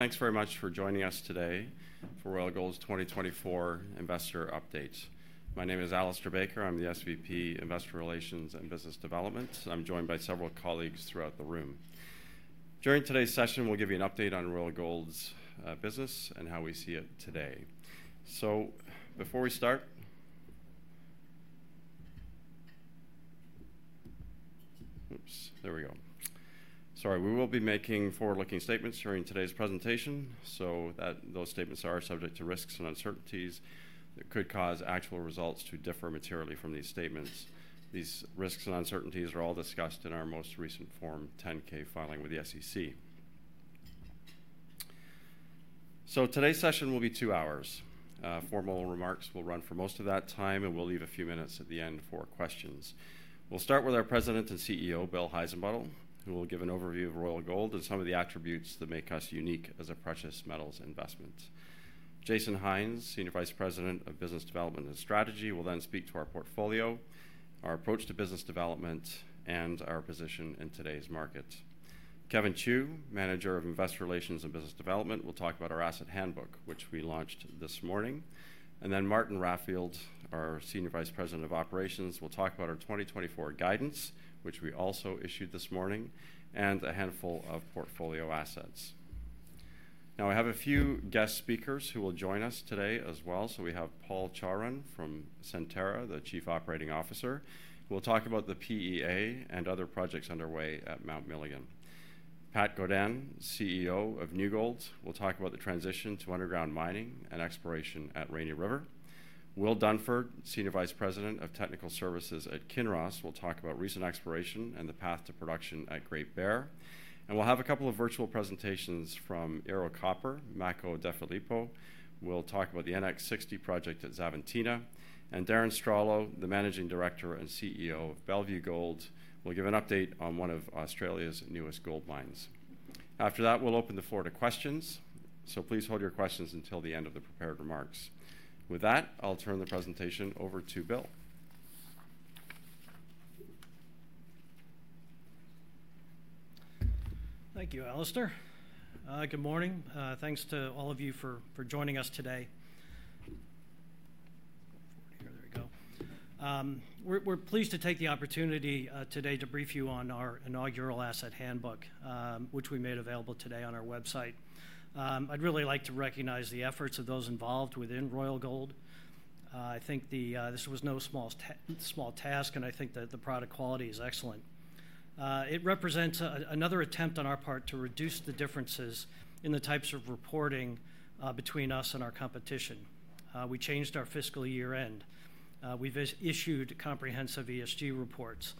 Thanks very much for joining us today for Royal Gold's 2024 investor update. My name is Alistair Baker. I'm the SVP, Investor Relations and Business Development, and I'm joined by several colleagues throughout the room. During today's session, we'll give you an update on Royal Gold's business and how we see it today. Before we start... Oops, there we go. Sorry, we will be making forward-looking statements during today's presentation, so those statements are subject to risks and uncertainties that could cause actual results to differ materially from these statements. These risks and uncertainties are all discussed in our most recent Form 10-K filing with the SEC. Today's session will be 2 hours. Formal remarks will run for most of that time, and we'll leave a few minutes at the end for questions. We'll start with our President and CEO, Bill Heissenbuttel, who will give an overview of Royal Gold and some of the attributes that make us unique as a precious metals investment. Jason Hynes, Senior Vice President of Business Development and Strategy, will then speak to our portfolio, our approach to business development, and our position in today's market. Kevin Chiew, Manager of Investor Relations and Business Development, will talk about our Asset Handbook, which we launched this morning. Then Martin Raffield, our Senior Vice President of Operations, will talk about our 2024 guidance, which we also issued this morning, and a handful of portfolio assets. Now, I have a few guest speakers who will join us today as well. So we have Paul Chawrun from Centerra, the Chief Operating Officer, who will talk about the PEA and other projects underway at Mount Milligan. Patrick Godin, CEO of New Gold, will talk about the transition to underground mining and exploration at Rainy River. Will Dunford, Senior Vice President of Technical Services at Kinross, will talk about recent exploration and the path to production at Great Bear, and we'll have a couple of virtual presentations from Ero Copper. Makko DeFilippo will talk about the NX60 project at Xavantina, and Darren Stralow, the Managing Director and CEO of Bellevue Gold, will give an update on one of Australia's newest gold mines. After that, we'll open the floor to questions, so please hold your questions until the end of the prepared remarks. With that, I'll turn the presentation over to Bill. Thank you, Alistair. Good morning. Thanks to all of you for joining us today. Here, there we go. We're pleased to take the opportunity today to brief you on our inaugural Asset Handbook, which we made available today on our website. I'd really like to recognize the efforts of those involved within Royal Gold. I think this was no small task, and I think that the product quality is excellent. It represents another attempt on our part to reduce the differences in the types of reporting between us and our competition. We changed our fiscal year end. We've issued comprehensive ESG reports.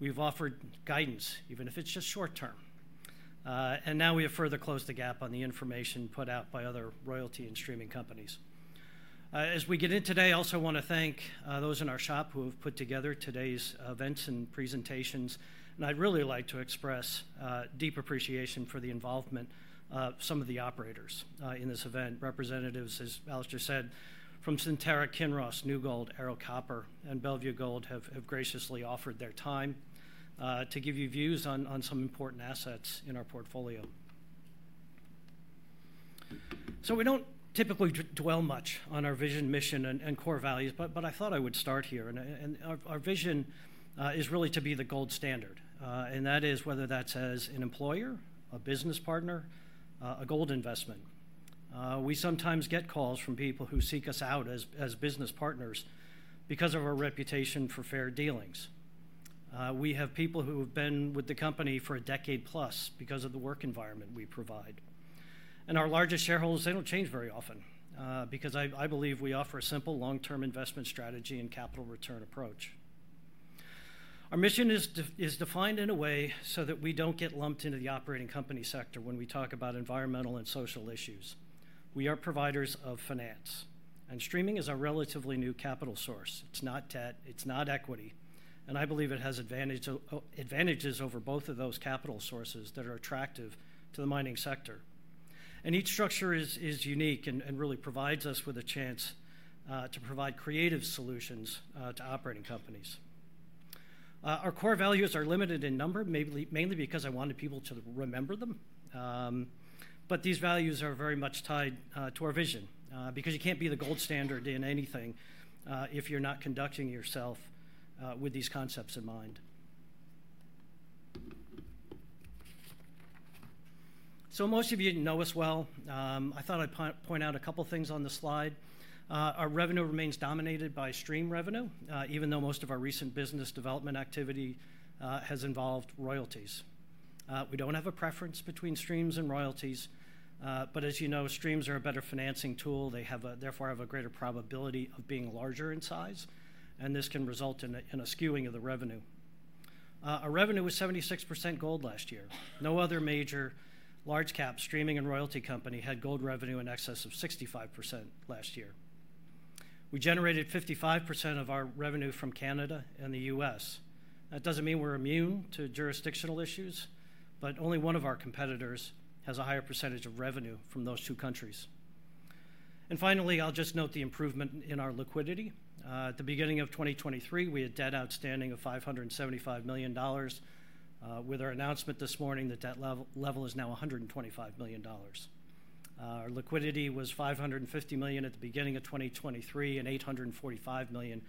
We've offered guidance, even if it's just short term, and now we have further closed the gap on the information put out by other royalty and streaming companies. As we get in today, I also want to thank those in our shop who have put together today's events and presentations, and I'd really like to express deep appreciation for the involvement of some of the operators in this event. Representatives, as Alistair said, from Centerra, Kinross, New Gold, Ero Copper, and Bellevue Gold, have graciously offered their time to give you views on some important assets in our portfolio. So we don't typically dwell much on our vision, mission, and core values, but I thought I would start here, and our vision is really to be the gold standard, and that is whether that's as an employer, a business partner, a gold investment. We sometimes get calls from people who seek us out as, as business partners because of our reputation for fair dealings. We have people who have been with the company for a decade plus because of the work environment we provide. Our largest shareholders, they don't change very often, because I, I believe we offer a simple long-term investment strategy and capital return approach. Our mission is defined in a way so that we don't get lumped into the operating company sector when we talk about environmental and social issues. We are providers of finance, and streaming is a relatively new capital source. It's not debt, it's not equity, and I believe it has advantages over both of those capital sources that are attractive to the mining sector. Each structure is unique and really provides us with a chance to provide creative solutions to operating companies. Our core values are limited in number, maybe, mainly because I wanted people to remember them, but these values are very much tied to our vision, because you can't be the gold standard in anything, if you're not conducting yourself with these concepts in mind. Most of you know us well. I thought I'd point out a couple of things on the slide. Our revenue remains dominated by stream revenue, even though most of our recent business development activity has involved royalties. We don't have a preference between streams and royalties, but as you know, streams are a better financing tool. They have a... Therefore, have a greater probability of being larger in size, and this can result in a skewing of the revenue. Our revenue was 76% gold last year. No other major large cap streaming and royalty company had gold revenue in excess of 65% last year. We generated 55% of our revenue from Canada and the US. That doesn't mean we're immune to jurisdictional issues, but only one of our competitors has a higher percentage of revenue from those two countries. And finally, I'll just note the improvement in our liquidity. At the beginning of 2023, we had debt outstanding of $575 million. With our announcement this morning, the debt level is now $125 million. Our liquidity was $550 million at the beginning of 2023, and $845 million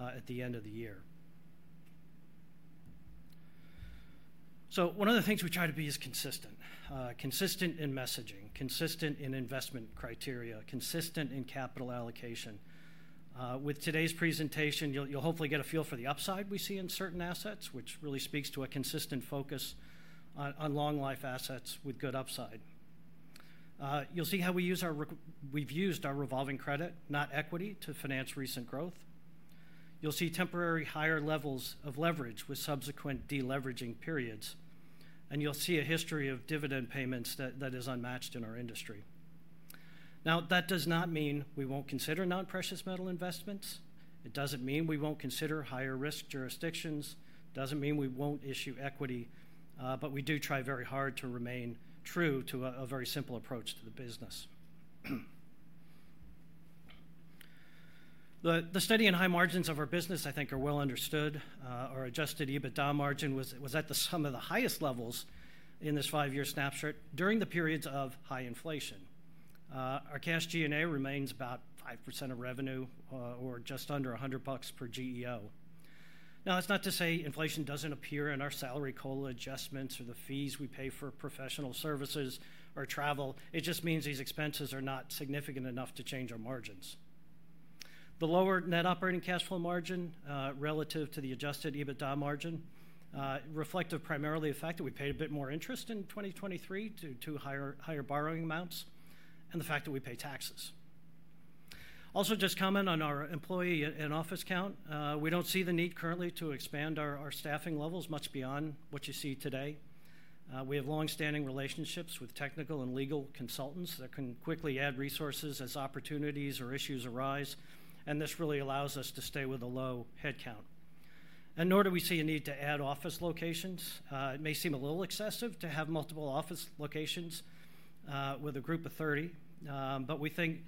at the end of the year. So one of the things we try to be is consistent. Consistent in messaging, consistent in investment criteria, consistent in capital allocation. With today's presentation, you'll, you'll hopefully get a feel for the upside we see in certain assets, which really speaks to a consistent focus on, on long-life assets with good upside. You'll see how we've used our revolving credit, not equity, to finance recent growth. You'll see temporary higher levels of leverage with subsequent de-leveraging periods, and you'll see a history of dividend payments that, that is unmatched in our industry. Now, that does not mean we won't consider non-precious metal investments. It doesn't mean we won't consider higher-risk jurisdictions. It doesn't mean we won't issue equity, but we do try very hard to remain true to a very simple approach to the business. The steady and high margins of our business, I think, are well understood. Our adjusted EBITDA margin was at some of the highest levels in this five-year snapshot during the periods of high inflation. Our cash G&A remains about 5% of revenue, or just under $100 per GEO. Now, that's not to say inflation doesn't appear in our salary COLA adjustments or the fees we pay for professional services or travel. It just means these expenses are not significant enough to change our margins. The lower net operating cash flow margin, relative to the Adjusted EBITDA margin, reflective primarily the fact that we paid a bit more interest in 2023 due to higher, higher borrowing amounts, and the fact that we pay taxes. Also, just comment on our employee and office count. We don't see the need currently to expand our, our staffing levels much beyond what you see today. We have long-standing relationships with technical and legal consultants that can quickly add resources as opportunities or issues arise, and this really allows us to stay with a low headcount. Nor do we see a need to add office locations. It may seem a little excessive to have multiple office locations with a group of 30, but we think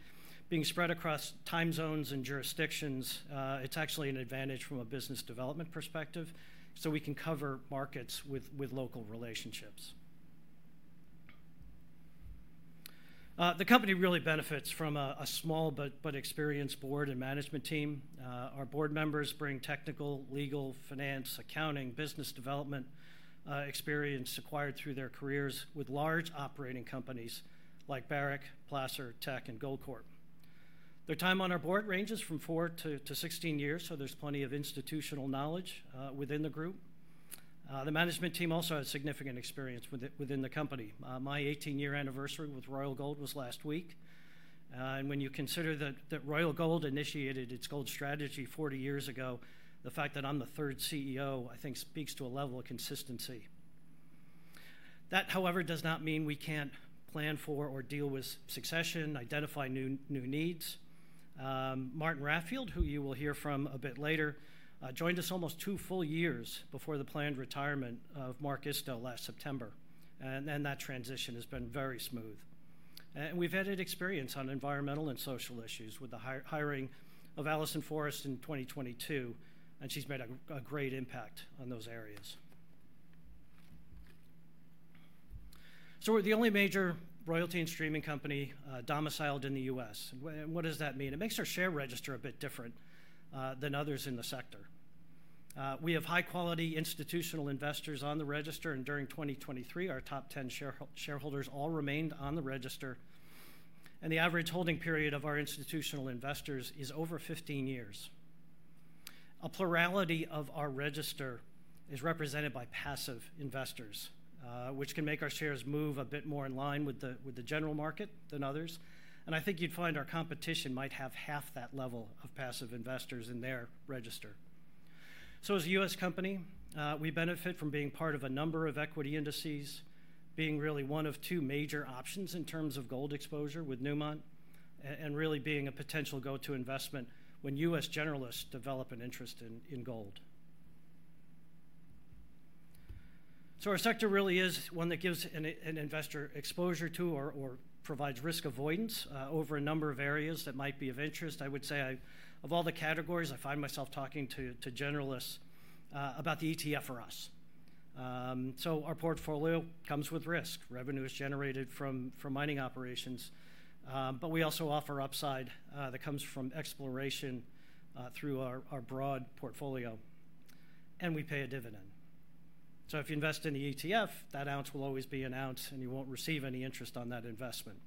being spread across time zones and jurisdictions, it's actually an advantage from a business development perspective, so we can cover markets with local relationships. The company really benefits from a small but experienced board and management team. Our board members bring technical, legal, finance, accounting, business development experience acquired through their careers with large operating companies like Barrick, Placer, Teck, and Goldcorp. Their time on our board ranges from 4 to 16 years, so there's plenty of institutional knowledge within the group. The management team also has significant experience within the company. My 18-year anniversary with Royal Gold was last week. And when you consider that Royal Gold initiated its gold strategy 40 years ago, the fact that I'm the third CEO, I think speaks to a level of consistency. That, however, does not mean we can't plan for or deal with succession, identify new needs. Martin Raffield, who you will hear from a bit later, joined us almost two full years before the planned retirement of Mark Isto last September, and that transition has been very smooth. We've added experience on environmental and social issues with the hiring of Allison Forrest in 2022, and she's made a great impact on those areas. So we're the only major royalty and streaming company, domiciled in the U.S. And what does that mean? It makes our share register a bit different than others in the sector. We have high-quality institutional investors on the register, and during 2023, our top 10 shareholders all remained on the register, and the average holding period of our institutional investors is over 15 years. A plurality of our register is represented by passive investors, which can make our shares move a bit more in line with the, with the general market than others, and I think you'd find our competition might have half that level of passive investors in their register. So as a U.S. company, we benefit from being part of a number of equity indices, being really one of two major options in terms of gold exposure with Newmont, and really being a potential go-to investment when U.S. generalists develop an interest in, in gold. Our sector really is one that gives an investor exposure to or provides risk avoidance over a number of areas that might be of interest. I would say, of all the categories, I find myself talking to generalists about the ETF for us. Our portfolio comes with risk. Revenue is generated from mining operations, but we also offer upside that comes from exploration through our broad portfolio, and we pay a dividend. If you invest in the ETF, that ounce will always be an ounce, and you won't receive any interest on that investment.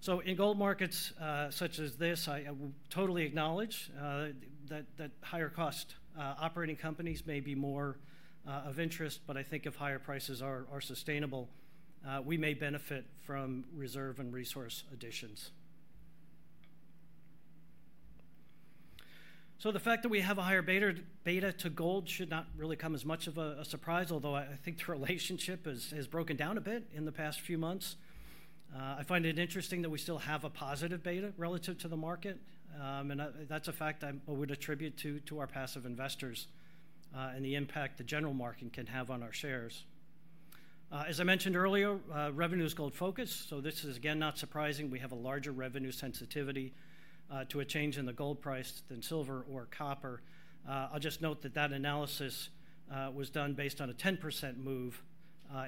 So in gold markets such as this, I totally acknowledge that higher cost operating companies may be more of interest, but I think if higher prices are sustainable, we may benefit from reserve and resource additions. So the fact that we have a higher beta to gold should not really come as much of a surprise, although I think the relationship has broken down a bit in the past few months. I find it interesting that we still have a positive beta relative to the market, and that's a fact I would attribute to our passive investors and the impact the general market can have on our shares. As I mentioned earlier, revenue is gold-focused, so this is, again, not surprising. We have a larger revenue sensitivity to a change in the gold price than silver or copper. I'll just note that that analysis was done based on a 10% move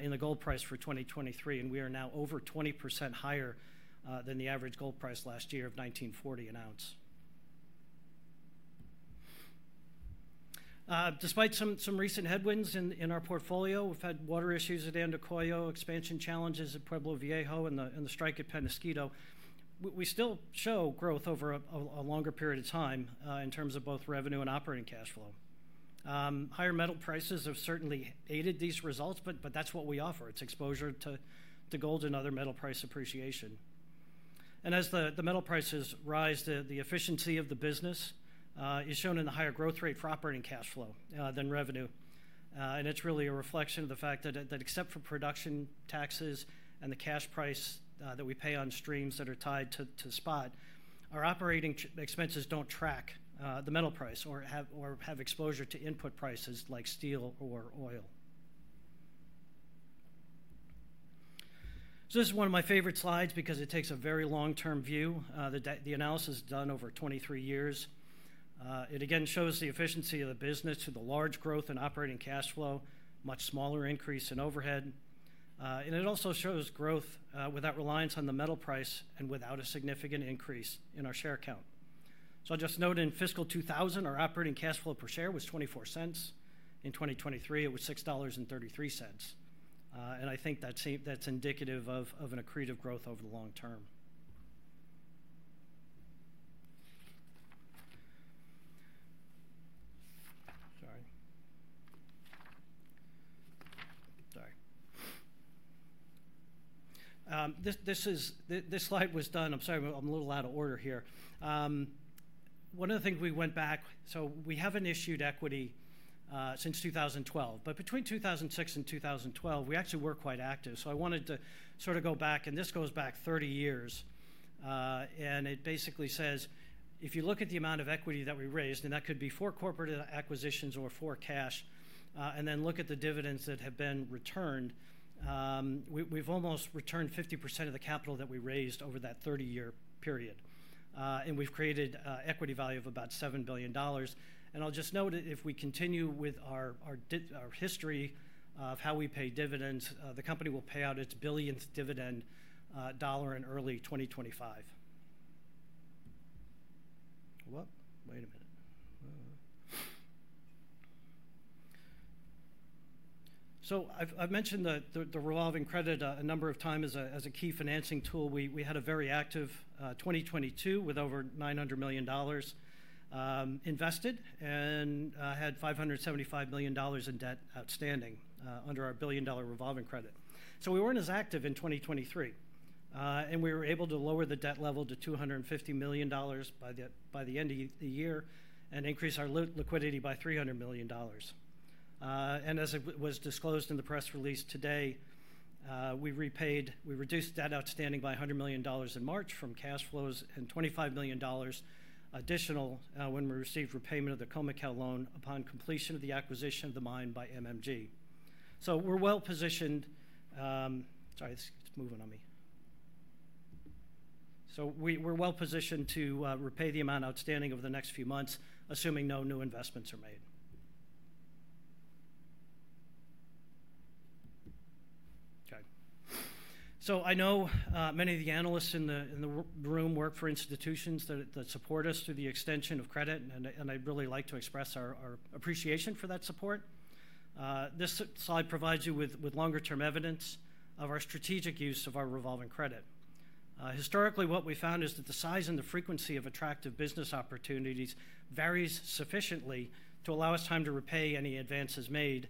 in the gold price for 2023, and we are now over 20% higher than the average gold price last year of $1,940 an ounce. Despite some recent headwinds in our portfolio, we've had water issues at Andacollo, expansion challenges at Pueblo Viejo, and the strike at Peñasquito. We still show growth over a longer period of time in terms of both revenue and operating cash flow. Higher metal prices have certainly aided these results, but that's what we offer. It's exposure to gold and other metal price appreciation. As the metal prices rise, the efficiency of the business is shown in the higher growth rate for operating cash flow than revenue. And it's really a reflection of the fact that except for production taxes and the cash price that we pay on streams that are tied to spot, our operating expenses don't track the metal price or have exposure to input prices like steel or oil. So this is one of my favorite slides because it takes a very long-term view. The analysis is done over 23 years. It again shows the efficiency of the business with a large growth in operating cash flow, much smaller increase in overhead, and it also shows growth without reliance on the metal price and without a significant increase in our share count. So I'll just note, in fiscal 2000, our operating cash flow per share was $0.24. In 2023, it was $6.33. And I think that's indicative of accretive growth over the long term. Sorry. Sorry. This is... this slide was done... I'm sorry, I'm a little out of order here. One of the things we went back—so we haven't issued equity since 2012, but between 2006 and 2012, we actually were quite active, so I wanted to sort of go back, and this goes back 30 years. and it basically says, if you look at the amount of equity that we raised, and that could be for corporate acquisitions or for cash, and then look at the dividends that have been returned, we've almost returned 50% of the capital that we raised over that 30-year period. And we've created an equity value of about $7 billion. And I'll just note, if we continue with our history of how we pay dividends, the company will pay out its billionth dividend dollar in early 2025. What? Wait a minute. So I've mentioned the revolving credit a number of times as a key financing tool. We had a very active 2022, with over $900 million invested and had $575 million in debt outstanding under our $1 billion revolving credit. So we weren't as active in 2023, and we were able to lower the debt level to $250 million by the end of the year and increase our liquidity by $300 million. And as it was disclosed in the press release today, we reduced debt outstanding by $100 million in March from cash flows and $25 million additional when we received repayment of the Khoemacau loan upon completion of the acquisition of the mine by MMG. So we're well-positioned. Sorry, it's moving on me. So we, we're well-positioned to repay the amount outstanding over the next few months, assuming no new investments are made. Okay. So I know many of the analysts in the, in the room work for institutions that, that support us through the extension of credit, and, and I'd really like to express our, our appreciation for that support. This slide provides you with, with longer-term evidence of our strategic use of our revolving credit. Historically, what we found is that the size and the frequency of attractive business opportunities varies sufficiently to allow us time to repay any advances made,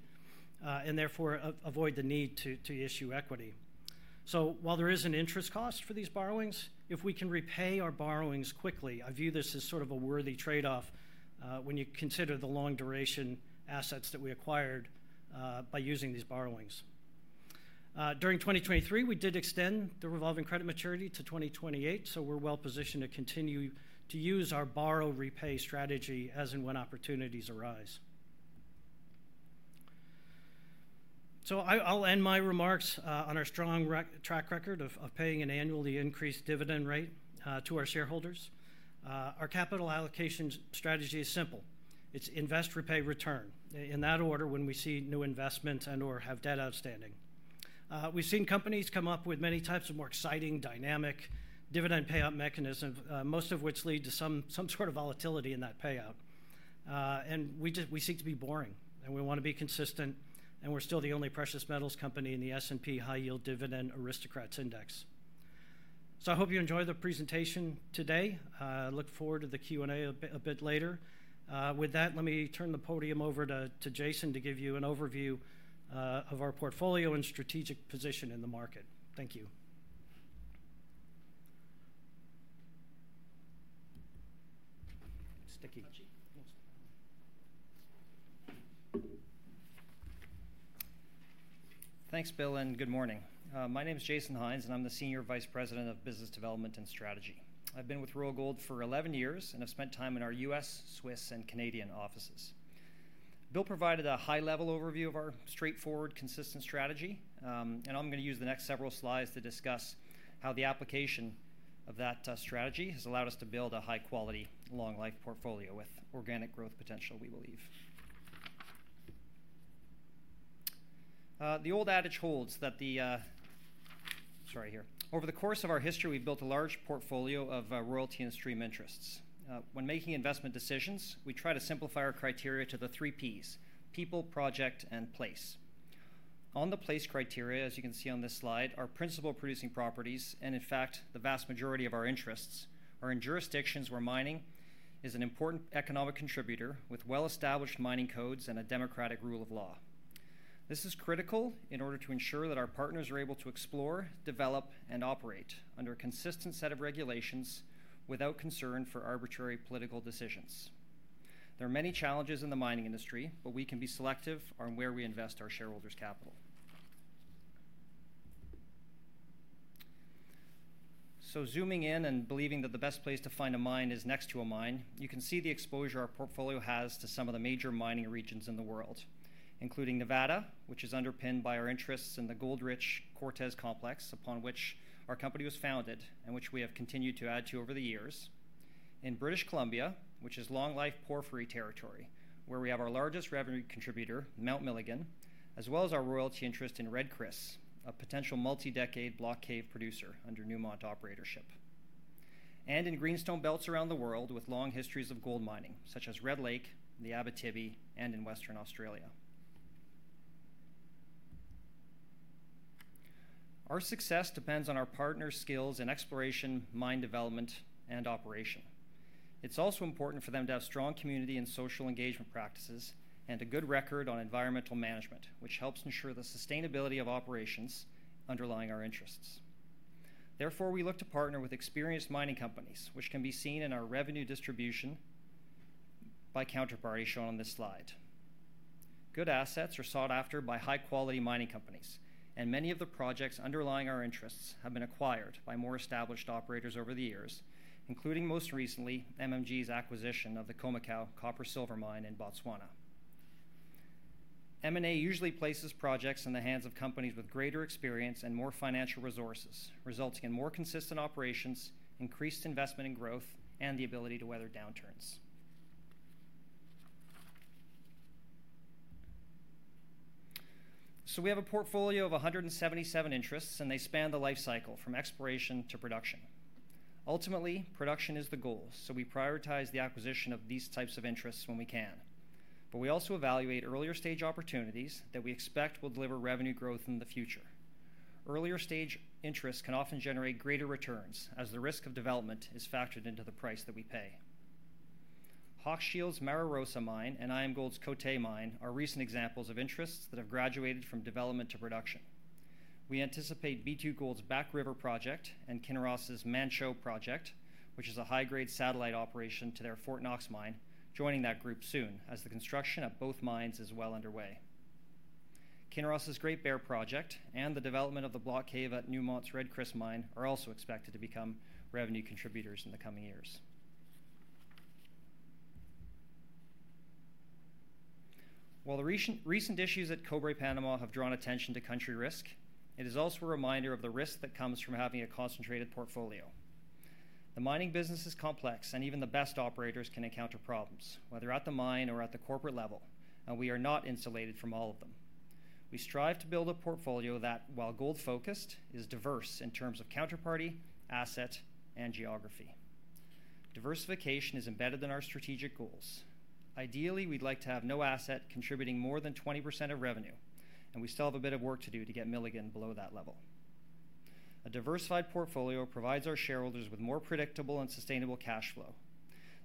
and therefore, avoid the need to, to issue equity. So while there is an interest cost for these borrowings, if we can repay our borrowings quickly, I view this as sort of a worthy trade-off, when you consider the long-duration assets that we acquired, by using these borrowings. During 2023, we did extend the revolving credit maturity to 2028, so we're well-positioned to continue to use our borrow-repay strategy as and when opportunities arise. So I'll end my remarks, on our strong track record of paying an annually increased dividend rate, to our shareholders. Our capital allocation strategy is simple: It's invest, repay, return, in that order, when we see new investments and/or have debt outstanding. We've seen companies come up with many types of more exciting, dynamic dividend payout mechanism, most of which lead to some sort of volatility in that payout. We seek to be boring, and we want to be consistent, and we're still the only precious metals company in the S&P High Yield Dividend Aristocrats Index. So I hope you enjoyed the presentation today. Look forward to the Q&A a bit later. With that, let me turn the podium over to Jason to give you an overview of our portfolio and strategic position in the market. Thank you. Sticky. Thanks, Bill, and good morning. My name is Jason Hynes, and I'm the Senior Vice President of Business Development and Strategy. I've been with Royal Gold for 11 years and have spent time in our U.S., Swiss, and Canadian offices. Bill provided a high-level overview of our straightforward, consistent strategy, and I'm gonna use the next several slides to discuss how the application of that strategy has allowed us to build a high-quality, long-life portfolio with organic growth potential, we believe. The old adage holds that the... Sorry, here. Over the course of our history, we've built a large portfolio of royalty and stream interests. When making investment decisions, we try to simplify our criteria to the three Ps: people, project, and place. On the place criteria, as you can see on this slide, our principal producing properties, and in fact, the vast majority of our interests, are in jurisdictions where mining is an important economic contributor with well-established mining codes and a democratic rule of law. This is critical in order to ensure that our partners are able to explore, develop, and operate under a consistent set of regulations without concern for arbitrary political decisions. There are many challenges in the mining industry, but we can be selective on where we invest our shareholders' capital. So zooming in and believing that the best place to find a mine is next to a mine, you can see the exposure our portfolio has to some of the major mining regions in the world, including Nevada, which is underpinned by our interests in the gold-rich Cortez Complex, upon which our company was founded and which we have continued to add to over the years. In British Columbia, which is long-life porphyry territory, where we have our largest revenue contributor, Mount Milligan, as well as our royalty interest in Red Chris, a potential multi-decade block cave producer under Newmont operatorship, and in greenstone belts around the world with long histories of gold mining, such as Red Lake, the Abitibi, and in Western Australia. Our success depends on our partners' skills in exploration, mine development, and operation. It's also important for them to have strong community and social engagement practices and a good record on environmental management, which helps ensure the sustainability of operations underlying our interests. Therefore, we look to partner with experienced mining companies, which can be seen in our revenue distribution by counterparty shown on this slide. Good assets are sought after by high-quality mining companies, and many of the projects underlying our interests have been acquired by more established operators over the years, including, most recently, MMG's acquisition of the Khoemacau copper-silver mine in Botswana. M&A usually places projects in the hands of companies with greater experience and more financial resources, resulting in more consistent operations, increased investment and growth, and the ability to weather downturns. So we have a portfolio of 177 interests, and they span the life cycle from exploration to production. Ultimately, production is the goal, so we prioritize the acquisition of these types of interests when we can. But we also evaluate earlier-stage opportunities that we expect will deliver revenue growth in the future. Earlier-stage interests can often generate greater returns, as the risk of development is factored into the price that we pay. Hochschild's Mara Rosa mine and IAMGOLD's Côté mine are recent examples of interests that have graduated from development to production. We anticipate B2Gold's Back River project and Kinross's Manh Choh project, which is a high-grade satellite operation to their Fort Knox mine, joining that group soon, as the construction of both mines is well underway. Kinross' Great Bear project and the development of the block cave at Newmont's Red Chris mine are also expected to become revenue contributors in the coming years. While the recent issues at Cobre Panamá have drawn attention to country risk, it is also a reminder of the risk that comes from having a concentrated portfolio. The mining business is complex, and even the best operators can encounter problems, whether at the mine or at the corporate level, and we are not insulated from all of them. We strive to build a portfolio that, while gold-focused, is diverse in terms of counterparty, asset, and geography. Diversification is embedded in our strategic goals. Ideally, we'd like to have no asset contributing more than 20% of revenue, and we still have a bit of work to do to get Milligan below that level. A diversified portfolio provides our shareholders with more predictable and sustainable cash flow.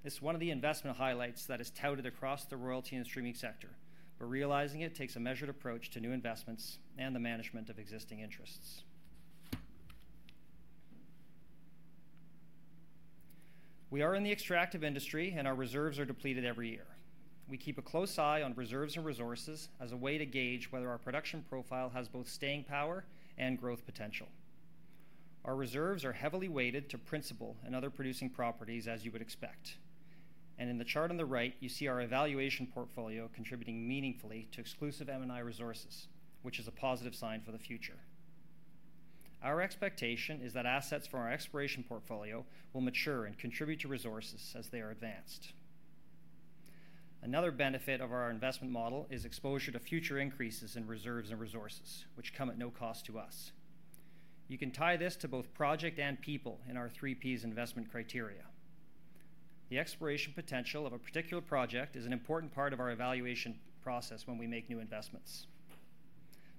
This is one of the investment highlights that is touted across the royalty and streaming sector, but realizing it takes a measured approach to new investments and the management of existing interests. We are in the extractive industry, and our reserves are depleted every year. We keep a close eye on reserves and resources as a way to gauge whether our production profile has both staying power and growth potential. Our reserves are heavily weighted to principal and other producing properties, as you would expect. In the chart on the right, you see our evaluation portfolio contributing meaningfully to exclusive M&I resources, which is a positive sign for the future. Our expectation is that assets from our exploration portfolio will mature and contribute to resources as they are advanced. Another benefit of our investment model is exposure to future increases in reserves and resources, which come at no cost to us. You can tie this to both project and people in our three Ps investment criteria. The exploration potential of a particular project is an important part of our evaluation process when we make new investments.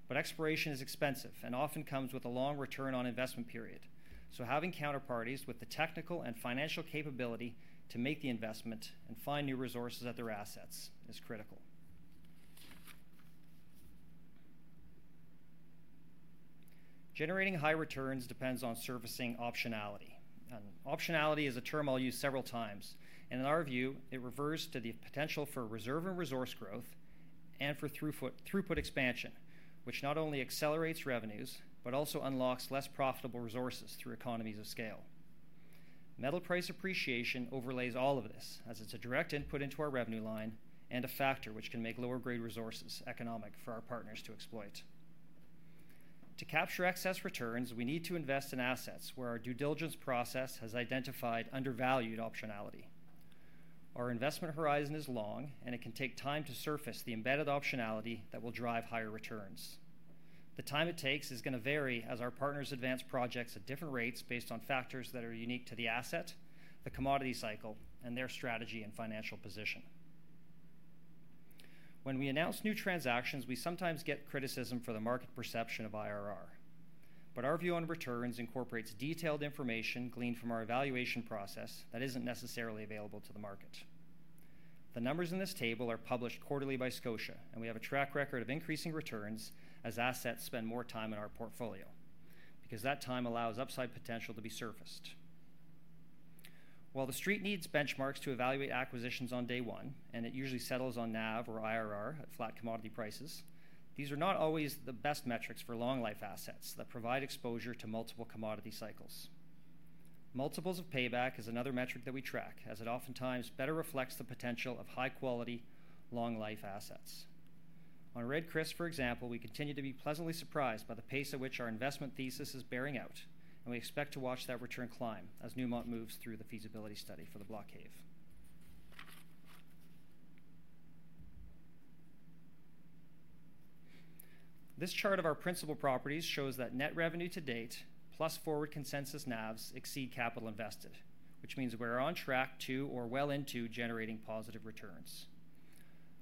But exploration is expensive and often comes with a long return on investment period. So having counterparties with the technical and financial capability to make the investment and find new resources at their assets is critical. Generating high returns depends on servicing optionality. And optionality is a term I'll use several times, and in our view, it refers to the potential for reserve and resource growth and for throughput expansion, which not only accelerates revenues, but also unlocks less profitable resources through economies of scale. Metal price appreciation overlays all of this, as it's a direct input into our revenue line and a factor which can make lower-grade resources economic for our partners to exploit. To capture excess returns, we need to invest in assets where our due diligence process has identified undervalued optionality. Our investment horizon is long, and it can take time to surface the embedded optionality that will drive higher returns. The time it takes is gonna vary as our partners advance projects at different rates based on factors that are unique to the asset, the commodity cycle, and their strategy and financial position. When we announce new transactions, we sometimes get criticism for the market perception of IRR, but our view on returns incorporates detailed information gleaned from our evaluation process that isn't necessarily available to the market. The numbers in this table are published quarterly by Scotia, and we have a track record of increasing returns as assets spend more time in our portfolio, because that time allows upside potential to be surfaced. While The Street needs benchmarks to evaluate acquisitions on day one, and it usually settles on NAV or IRR at flat commodity prices, these are not always the best metrics for long-life assets that provide exposure to multiple commodity cycles. Multiples of payback is another metric that we track, as it oftentimes better reflects the potential of high-quality, long-life assets. On Red Chris, for example, we continue to be pleasantly surprised by the pace at which our investment thesis is bearing out, and we expect to watch that return climb as Newmont moves through the feasibility study for the Block Cave. This chart of our principal properties shows that net revenue to date, plus forward consensus NAVs, exceed capital invested, which means we're on track to or well into generating positive returns.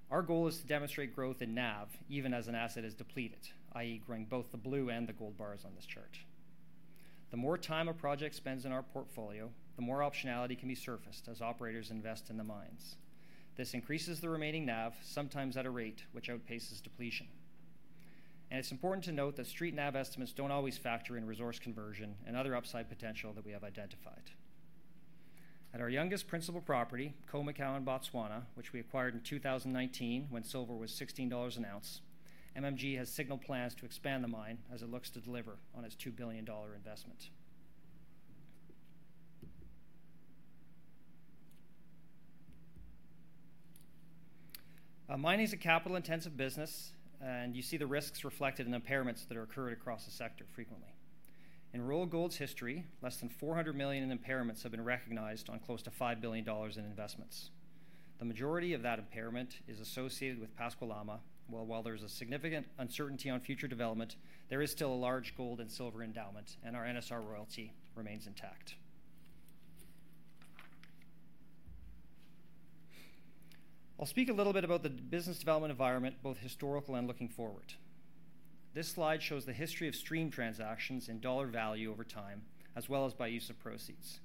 Our goal is to demonstrate growth in NAV, even as an asset is depleted, i.e., growing both the blue and the gold bars on this chart. The more time a project spends in our portfolio, the more optionality can be surfaced as operators invest in the mines. This increases the remaining NAV, sometimes at a rate which outpaces depletion. It's important to note that Street NAV estimates don't always factor in resource conversion and other upside potential that we have identified. At our youngest principal property, Khoemacau in Botswana, which we acquired in 2019, when silver was $16 an ounce, MMG has signaled plans to expand the mine as it looks to deliver on its $2 billion investment. Mining is a capital-intensive business, and you see the risks reflected in the impairments that are occurred across the sector frequently. In Royal Gold's history, less than $400 million in impairments have been recognized on close to $5 billion in investments. The majority of that impairment is associated with Pascua-Lama, where while there's a significant uncertainty on future development, there is still a large gold and silver endowment, and our NSR royalty remains intact. I'll speak a little bit about the business development environment, both historical and looking forward. This slide shows the history of stream transactions in dollar value over time, as well as by use of proceeds.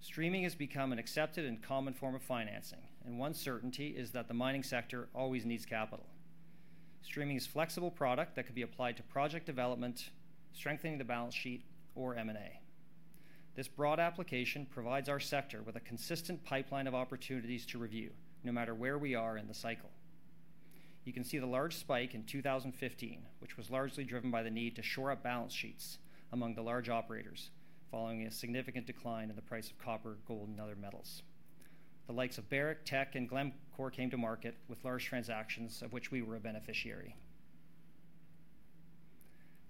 Streaming has become an accepted and common form of financing, and one certainty is that the mining sector always needs capital. Streaming is a flexible product that can be applied to project development, strengthening the balance sheet, or M&A. This broad application provides our sector with a consistent pipeline of opportunities to review, no matter where we are in the cycle. You can see the large spike in 2015, which was largely driven by the need to shore up balance sheets among the large operators following a significant decline in the price of copper, gold, and other metals. The likes of Barrick, Teck, and Glencore came to market with large transactions, of which we were a beneficiary.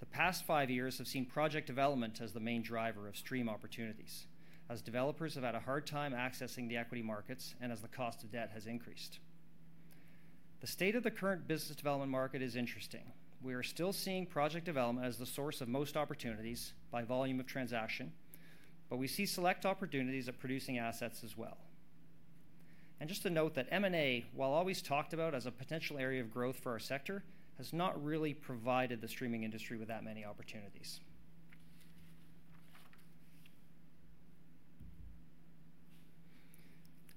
The past five years have seen project development as the main driver of stream opportunities, as developers have had a hard time accessing the equity markets and as the cost of debt has increased. The state of the current business development market is interesting. We are still seeing project development as the source of most opportunities by volume of transaction, but we see select opportunities of producing assets as well. Just to note that M&A, while always talked about as a potential area of growth for our sector, has not really provided the streaming industry with that many opportunities.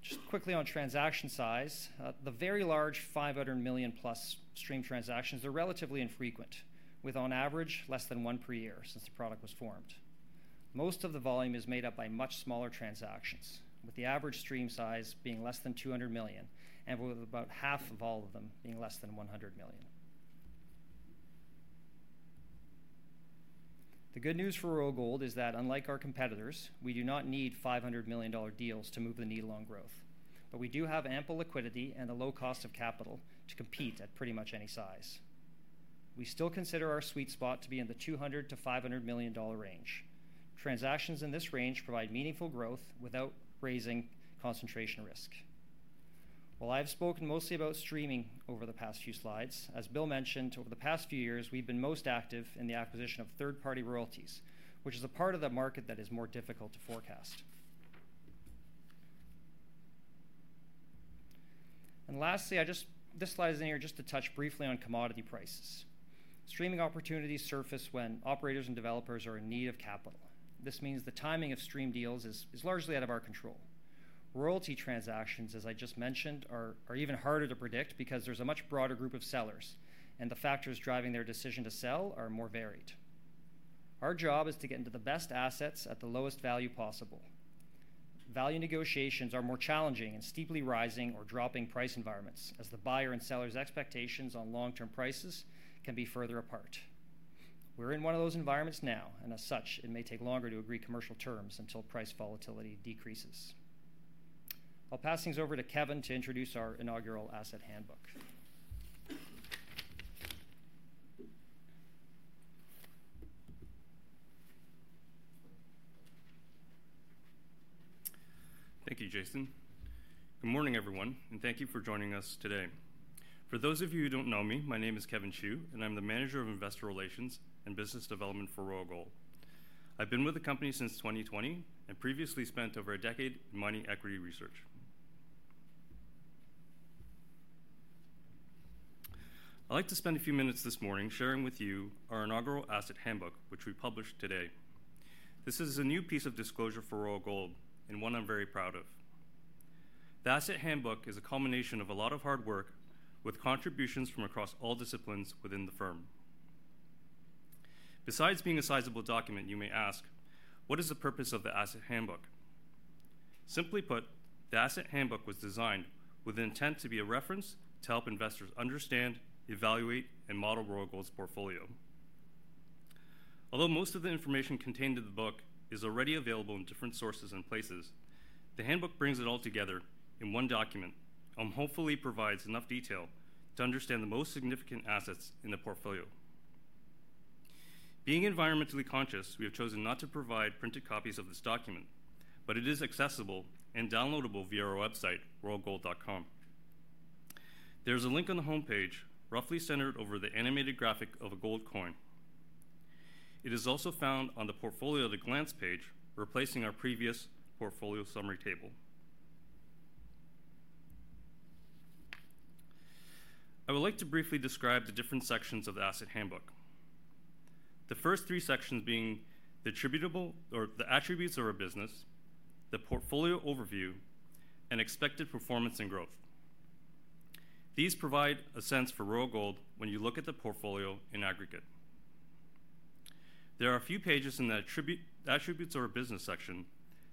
Just quickly on transaction size, the very large $500 million-plus stream transactions are relatively infrequent, with on average, less than one per year since the product was formed. Most of the volume is made up by much smaller transactions, with the average stream size being less than $200 million and with about half of all of them being less than $100 million. The good news for Royal Gold is that, unlike our competitors, we do not need $500 million deals to move the needle on growth, but we do have ample liquidity and a low cost of capital to compete at pretty much any size. We still consider our sweet spot to be in the $200 million-$500 million range. Transactions in this range provide meaningful growth without raising concentration risk. While I've spoken mostly about streaming over the past few slides, as Bill mentioned, over the past few years, we've been most active in the acquisition of third-party royalties, which is a part of the market that is more difficult to forecast. Lastly, I just, this slide is in here just to touch briefly on commodity prices. Streaming opportunities surface when operators and developers are in need of capital. This means the timing of stream deals is largely out of our control. Royalty transactions, as I just mentioned, are even harder to predict because there's a much broader group of sellers, and the factors driving their decision to sell are more varied. Our job is to get into the best assets at the lowest value possible. Value negotiations are more challenging in steeply rising or dropping price environments, as the buyer and seller's expectations on long-term prices can be further apart.... We're in one of those environments now, and as such, it may take longer to agree commercial terms until price volatility decreases. I'll pass things over to Kevin to introduce our inaugural Asset Handbook. Thank you, Jason. Good morning, everyone, and thank you for joining us today. For those of you who don't know me, my name is Kevin Chiew, and I'm the Manager of Investor Relations and Business Development for Royal Gold. I've been with the company since 2020, and previously spent over a decade in mining equity research. I'd like to spend a few minutes this morning sharing with you our inaugural asset handbook, which we published today. This is a new piece of disclosure for Royal Gold and one I'm very proud of. The asset handbook is a culmination of a lot of hard work with contributions from across all disciplines within the firm. Besides being a sizable document, you may ask, what is the purpose of the asset handbook? Simply put, the Asset Handbook was designed with the intent to be a reference to help investors understand, evaluate, and model Royal Gold's portfolio. Although most of the information contained in the book is already available in different sources and places, the handbook brings it all together in one document and hopefully provides enough detail to understand the most significant assets in the portfolio. Being environmentally conscious, we have chosen not to provide printed copies of this document, but it is accessible and downloadable via our website, royalgold.com. There's a link on the homepage, roughly centered over the animated graphic of a gold coin. It is also found on the Portfolio at a Glance page, replacing our previous portfolio summary table. I would like to briefly describe the different sections of the Asset Handbook. The first three sections being the attributable... or the attributes of our business, the portfolio overview, and expected performance and growth. These provide a sense for Royal Gold when you look at the portfolio in aggregate. There are a few pages in the attribute, attributes of our business section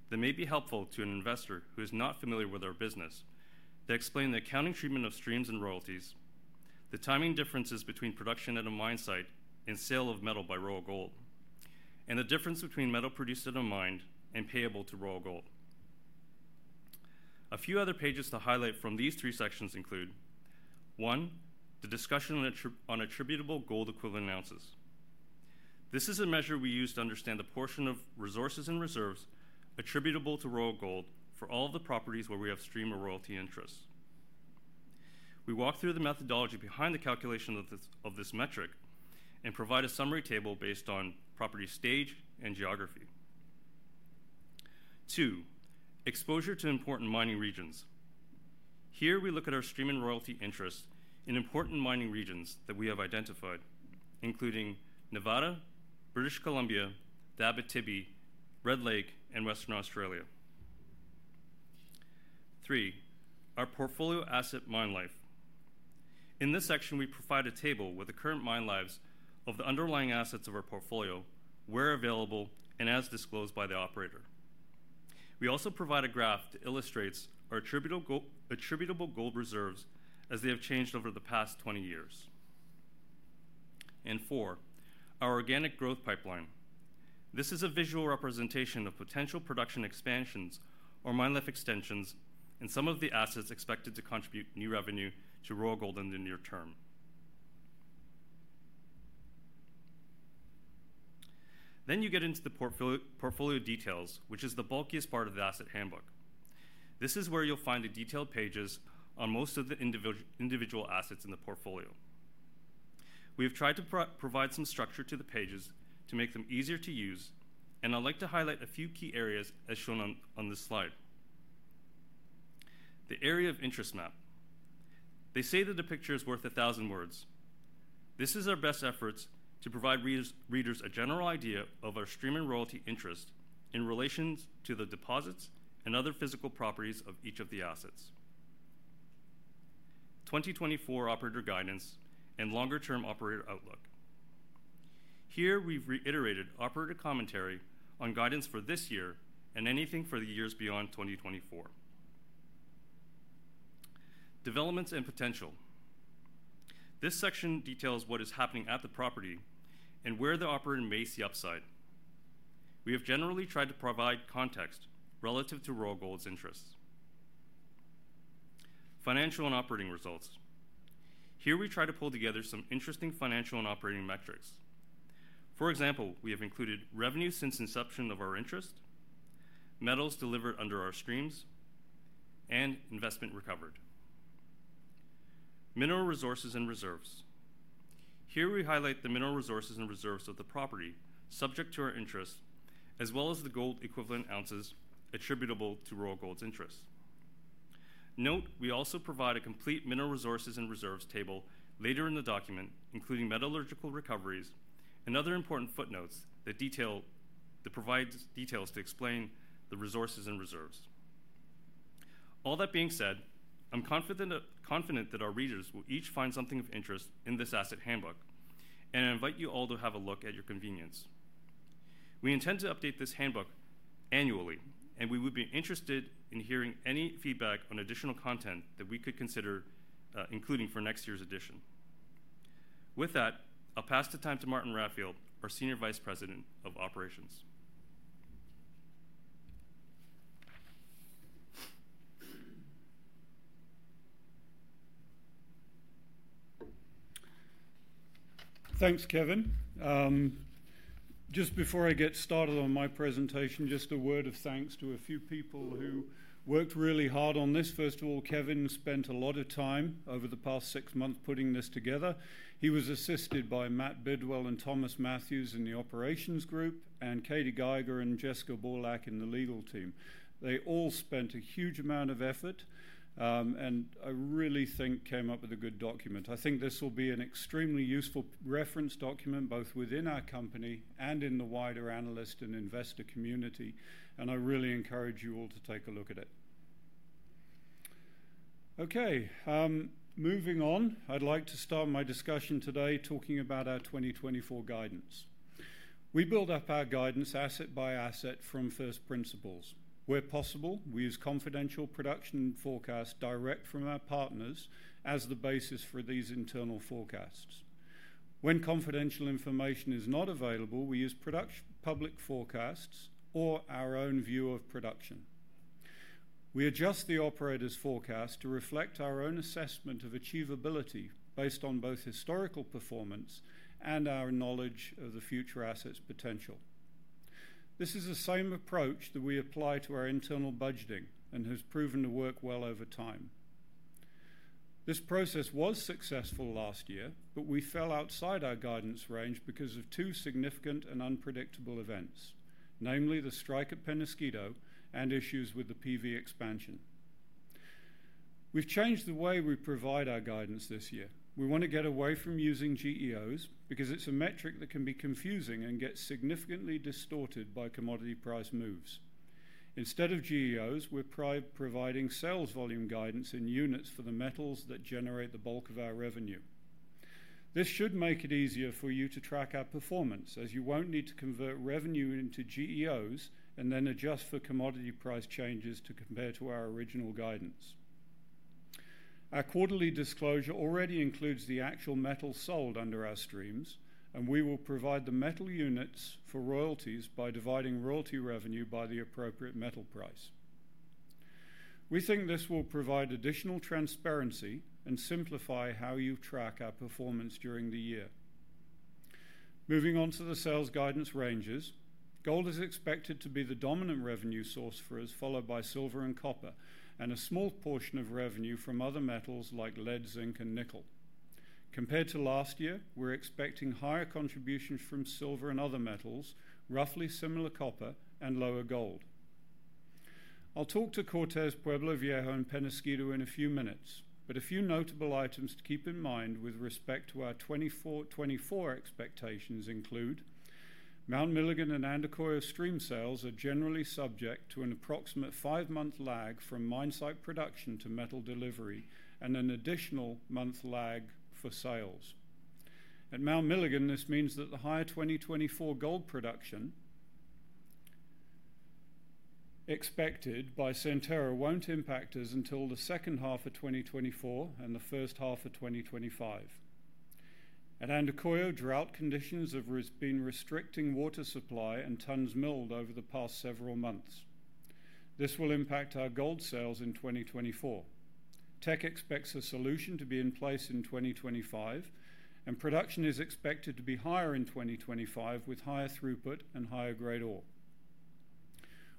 that may be helpful to an investor who is not familiar with our business. They explain the accounting treatment of streams and royalties, the timing differences between production at a mine site and sale of metal by Royal Gold, and the difference between metal produced at a mine and payable to Royal Gold. A few other pages to highlight from these three sections include, one, the discussion on attributable gold equivalent ounces. This is a measure we use to understand the portion of resources and reserves attributable to Royal Gold for all of the properties where we have stream or royalty interests. We walk through the methodology behind the calculation of this metric and provide a summary table based on property stage and geography. Two, exposure to important mining regions. Here, we look at our stream and royalty interest in important mining regions that we have identified, including Nevada, British Columbia, the Abitibi, Red Lake, and Western Australia. Three, our portfolio asset mine life. In this section, we provide a table with the current mine lives of the underlying assets of our portfolio, where available and as disclosed by the operator. We also provide a graph that illustrates our attributable gold reserves as they have changed over the past 20 years. And four, our organic growth pipeline. This is a visual representation of potential production expansions or mine life extensions and some of the assets expected to contribute new revenue to Royal Gold in the near term. Then you get into the portfolio details, which is the bulkiest part of the Asset Handbook. This is where you'll find the detailed pages on most of the individual assets in the portfolio. We have tried to provide some structure to the pages to make them easier to use, and I'd like to highlight a few key areas as shown on this slide. The area of interest map. They say that a picture is worth a thousand words. This is our best efforts to provide readers a general idea of our stream and royalty interest in relations to the deposits and other physical properties of each of the assets. 2024 operator guidance and longer term operator outlook. Here, we've reiterated operator commentary on guidance for this year and anything for the years beyond 2024. Developments and potential. This section details what is happening at the property and where the operator may see upside. We have generally tried to provide context relative to Royal Gold's interests. Financial and operating results. Here, we try to pull together some interesting financial and operating metrics. For example, we have included revenue since inception of our interest, metals delivered under our streams, and investment recovered. Mineral resources and reserves. Here, we highlight the mineral resources and reserves of the property subject to our interests, as well as the gold equivalent ounces attributable to Royal Gold's interests. Note, we also provide a complete mineral resources and reserves table later in the document, including metallurgical recoveries and other important footnotes that provides details to explain the resources and reserves. All that being said, I'm confident that, confident that our readers will each find something of interest in this Asset Handbook, and I invite you all to have a look at your convenience.... We intend to update this handbook annually, and we would be interested in hearing any feedback on additional content that we could consider, including for next year's edition. With that, I'll pass the time to Martin Raffield, our Senior Vice President of Operations. Thanks, Kevin. Just before I get started on my presentation, just a word of thanks to a few people who worked really hard on this. First of all, Kevin spent a lot of time over the past six months putting this together. He was assisted by Matt Bidwell and Thomas Matthews in the operations group, and Katie Geiger and Jessica Burlak in the legal team. They all spent a huge amount of effort, and I really think came up with a good document. I think this will be an extremely useful reference document, both within our company and in the wider analyst and investor community, and I really encourage you all to take a look at it. Okay, moving on. I'd like to start my discussion today talking about our 2024 guidance. We build up our guidance asset by asset from first principles. Where possible, we use confidential production forecasts direct from our partners as the basis for these internal forecasts. When confidential information is not available, we use public forecasts or our own view of production. We adjust the operator's forecast to reflect our own assessment of achievability, based on both historical performance and our knowledge of the future asset's potential. This is the same approach that we apply to our internal budgeting and has proven to work well over time. This process was successful last year, but we fell outside our guidance range because of two significant and unpredictable events, namely the strike at Peñasquito and issues with the PV expansion. We've changed the way we provide our guidance this year. We want to get away from using GEOs, because it's a metric that can be confusing and gets significantly distorted by commodity price moves. Instead of GEOs, we're providing sales volume guidance in units for the metals that generate the bulk of our revenue. This should make it easier for you to track our performance, as you won't need to convert revenue into GEOs and then adjust for commodity price changes to compare to our original guidance. Our quarterly disclosure already includes the actual metal sold under our streams, and we will provide the metal units for royalties by dividing royalty revenue by the appropriate metal price. We think this will provide additional transparency and simplify how you track our performance during the year. Moving on to the sales guidance ranges, gold is expected to be the dominant revenue source for us, followed by silver and copper, and a small portion of revenue from other metals like lead, zinc, and nickel. Compared to last year, we're expecting higher contributions from silver and other metals, roughly similar copper and lower gold. I'll talk to Cortez, Pueblo Viejo, and Peñasquito in a few minutes, but a few notable items to keep in mind with respect to our 2024 expectations include: Mount Milligan and Andacollo stream sales are generally subject to an approximate 5-month lag from mine site production to metal delivery, and an additional month lag for sales. At Mount Milligan, this means that the higher 2024 gold production expected by Centerra won't impact us until the second half of 2024 and the first half of 2025. At Andacollo, drought conditions have been restricting water supply and tons milled over the past several months. This will impact our gold sales in 2024. Teck expects a solution to be in place in 2025, and production is expected to be higher in 2025, with higher throughput and higher-grade ore.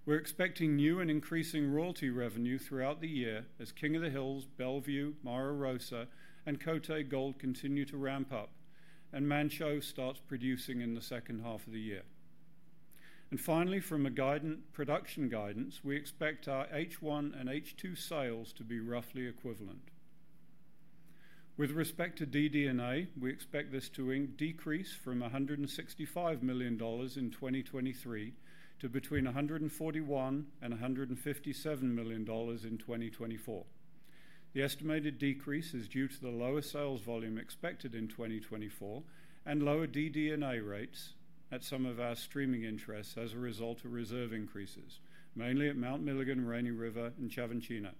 We're expecting new and increasing royalty revenue throughout the year as King of the Hills, Bellevue, Mara Rosa, and Côté Gold continue to ramp up, and Manh Choh starts producing in the second half of the year. And finally, from a guidance—production guidance, we expect our H1 and H2 sales to be roughly equivalent. With respect to DD&A, we expect this to decrease from $165 million in 2023 to between $141 million and $157 million in 2024. The estimated decrease is due to the lower sales volume expected in 2024 and lower DD&A rates at some of our streaming interests as a result of reserve increases, mainly at Mount Milligan, Rainy River, and Xavantina.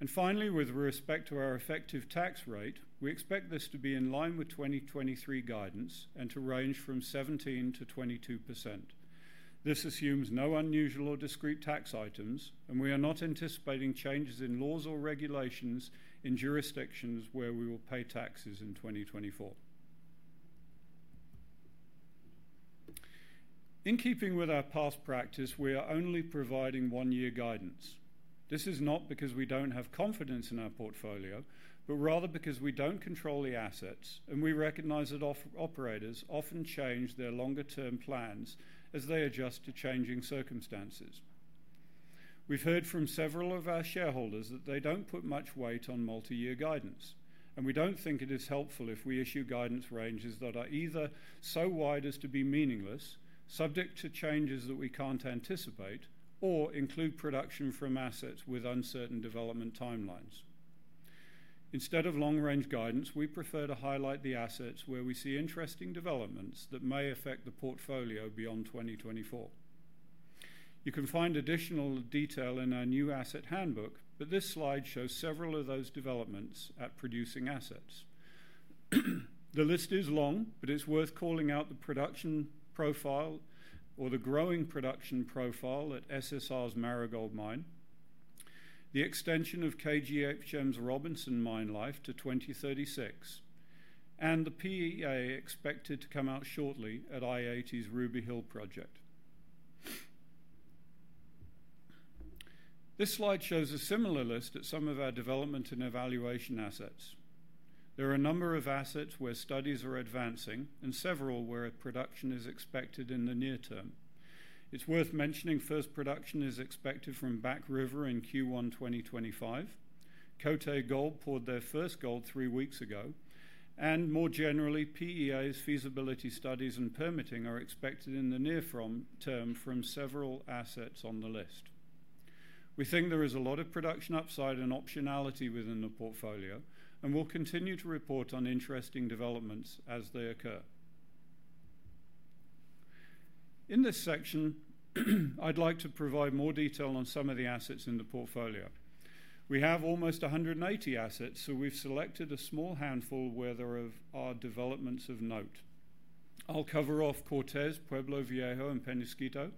And finally, with respect to our effective tax rate, we expect this to be in line with 2023 guidance and to range from 17%-22%. This assumes no unusual or discrete tax items, and we are not anticipating changes in laws or regulations in jurisdictions where we will pay taxes in 2024. In keeping with our past practice, we are only providing 1-year guidance. This is not because we don't have confidence in our portfolio, but rather because we don't control the assets, and we recognize that operators often change their longer-term plans as they adjust to changing circumstances. We've heard from several of our shareholders that they don't put much weight on multi-year guidance, and we don't think it is helpful if we issue guidance ranges that are either so wide as to be meaningless, subject to changes that we can't anticipate, or include production from assets with uncertain development timelines.... Instead of long-range guidance, we prefer to highlight the assets where we see interesting developments that may affect the portfolio beyond 2024. You can find additional detail in our new Asset Handbook, but this slide shows several of those developments at producing assets. The list is long, but it's worth calling out the production profile or the growing production profile at SSR's Marigold mine, the extension of KGHM's Robinson mine life to 2036, and the PEA expected to come out shortly at i-80's Ruby Hill project. This slide shows a similar list at some of our development and evaluation assets. There are a number of assets where studies are advancing, and several where production is expected in the near term. It's worth mentioning, first production is expected from Back River in Q1 2025. Côté Gold poured their first gold three weeks ago, and more generally, PEAs, feasibility studies, and permitting are expected in the near term from several assets on the list. We think there is a lot of production upside and optionality within the portfolio, and we'll continue to report on interesting developments as they occur. In this section, I'd like to provide more detail on some of the assets in the portfolio. We have almost 180 assets, so we've selected a small handful where there are developments of note. I'll cover off Cortez, Pueblo Viejo, and Peñasquito,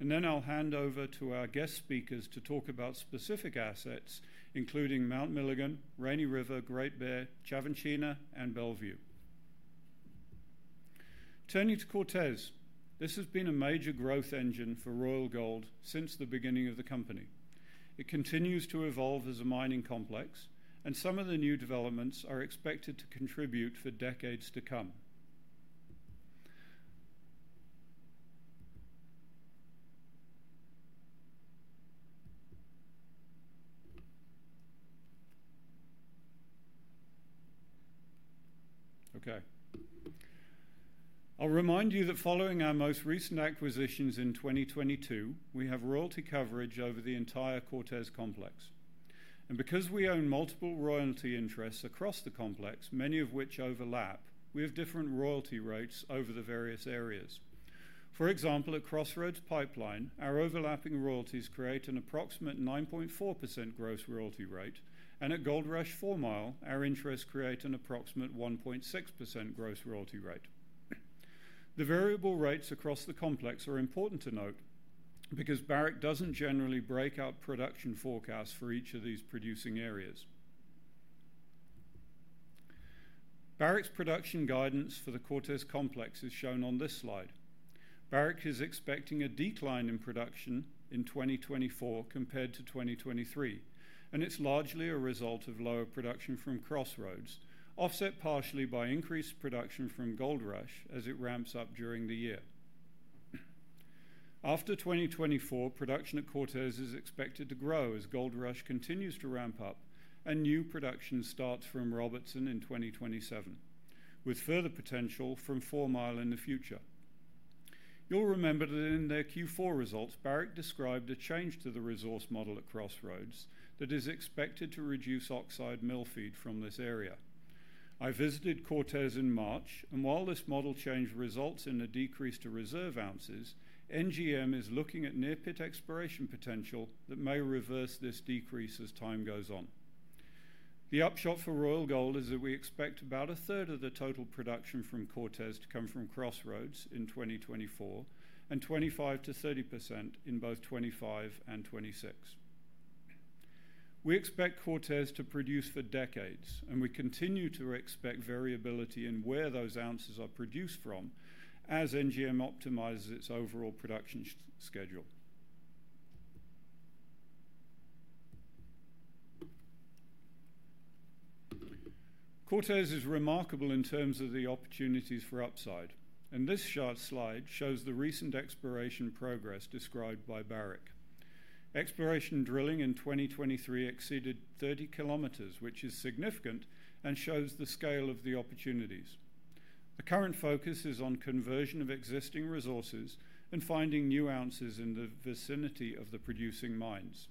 and then I'll hand over to our guest speakers to talk about specific assets, including Mount Milligan, Rainy River, Great Bear, Xavantina, and Bellevue. Turning to Cortez, this has been a major growth engine for Royal Gold since the beginning of the company. It continues to evolve as a mining complex, and some of the new developments are expected to contribute for decades to come. Okay. I'll remind you that following our most recent acquisitions in 2022, we have royalty coverage over the entire Cortez complex. And because we own multiple royalty interests across the complex, many of which overlap, we have different royalty rates over the various areas. For example, at Crossroads Pipeline, our overlapping royalties create an approximate 9.4% gross royalty rate, and at Goldrush Four Mile, our interests create an approximate 1.6% gross royalty rate. The variable rates across the complex are important to note because Barrick doesn't generally break out production forecasts for each of these producing areas. Barrick's production guidance for the Cortez Complex is shown on this slide. Barrick is expecting a decline in production in 2024 compared to 2023, and it's largely a result of lower production from Crossroads, offset partially by increased production from Goldrush as it ramps up during the year. After 2024, production at Cortez is expected to grow as Goldrush continues to ramp up and new production starts from Robertson in 2027, with further potential from Four Mile in the future. You'll remember that in their Q4 results, Barrick described a change to the resource model at Crossroads that is expected to reduce oxide mill feed from this area. I visited Cortez in March, and while this model change results in a decrease to reserve ounces, NGM is looking at near-pit exploration potential that may reverse this decrease as time goes on. The upshot for Royal Gold is that we expect about a third of the total production from Cortez to come from Crossroads in 2024, and 25%-30% in both 2025 and 2026. We expect Cortez to produce for decades, and we continue to expect variability in where those ounces are produced from as NGM optimizes its overall production schedule. Cortez is remarkable in terms of the opportunities for upside, and this chart slide shows the recent exploration progress described by Barrick. Exploration drilling in 2023 exceeded 30 kilometers, which is significant and shows the scale of the opportunities. The current focus is on conversion of existing resources and finding new ounces in the vicinity of the producing mines.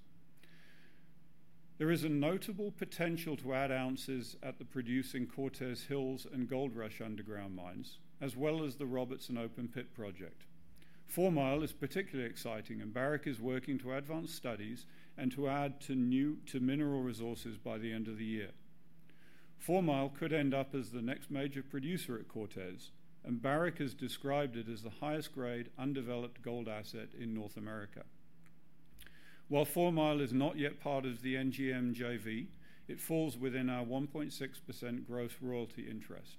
There is a notable potential to add ounces at the producing Cortez Hills and Goldrush underground mines, as well as the Robertson open-pit project. Four Mile is particularly exciting, and Barrick is working to advance studies and to add new mineral resources by the end of the year. Four Mile could end up as the next major producer at Cortez, and Barrick has described it as the highest-grade, undeveloped gold asset in North America. While Four Mile is not yet part of the NGM JV, it falls within our 1.6% gross royalty interest.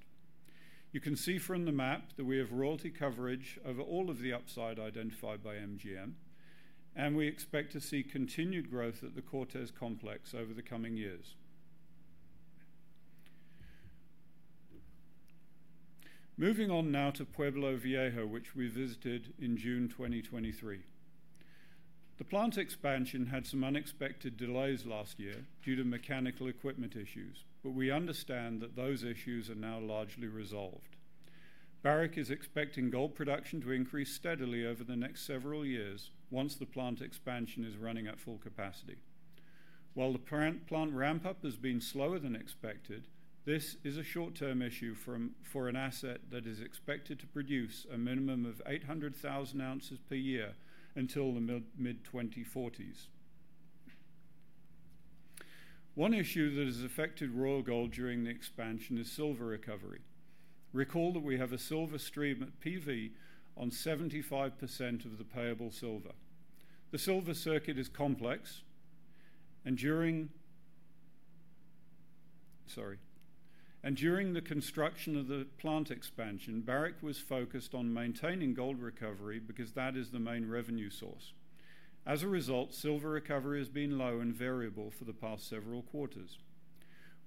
You can see from the map that we have royalty coverage over all of the upside identified by NGM, and we expect to see continued growth at the Cortez Complex over the coming years. Moving on now to Pueblo Viejo, which we visited in June 2023. The plant expansion had some unexpected delays last year due to mechanical equipment issues, but we understand that those issues are now largely resolved. Barrick is expecting gold production to increase steadily over the next several years once the plant expansion is running at full capacity. While the plant ramp up has been slower than expected, this is a short-term issue for an asset that is expected to produce a minimum of 800,000 ounces per year until the mid-2040s. One issue that has affected Royal Gold during the expansion is silver recovery. Recall that we have a silver stream at PV on 75% of the payable silver. The silver circuit is complex, and during the construction of the plant expansion, Barrick was focused on maintaining gold recovery because that is the main revenue source. As a result, silver recovery has been low and variable for the past several quarters.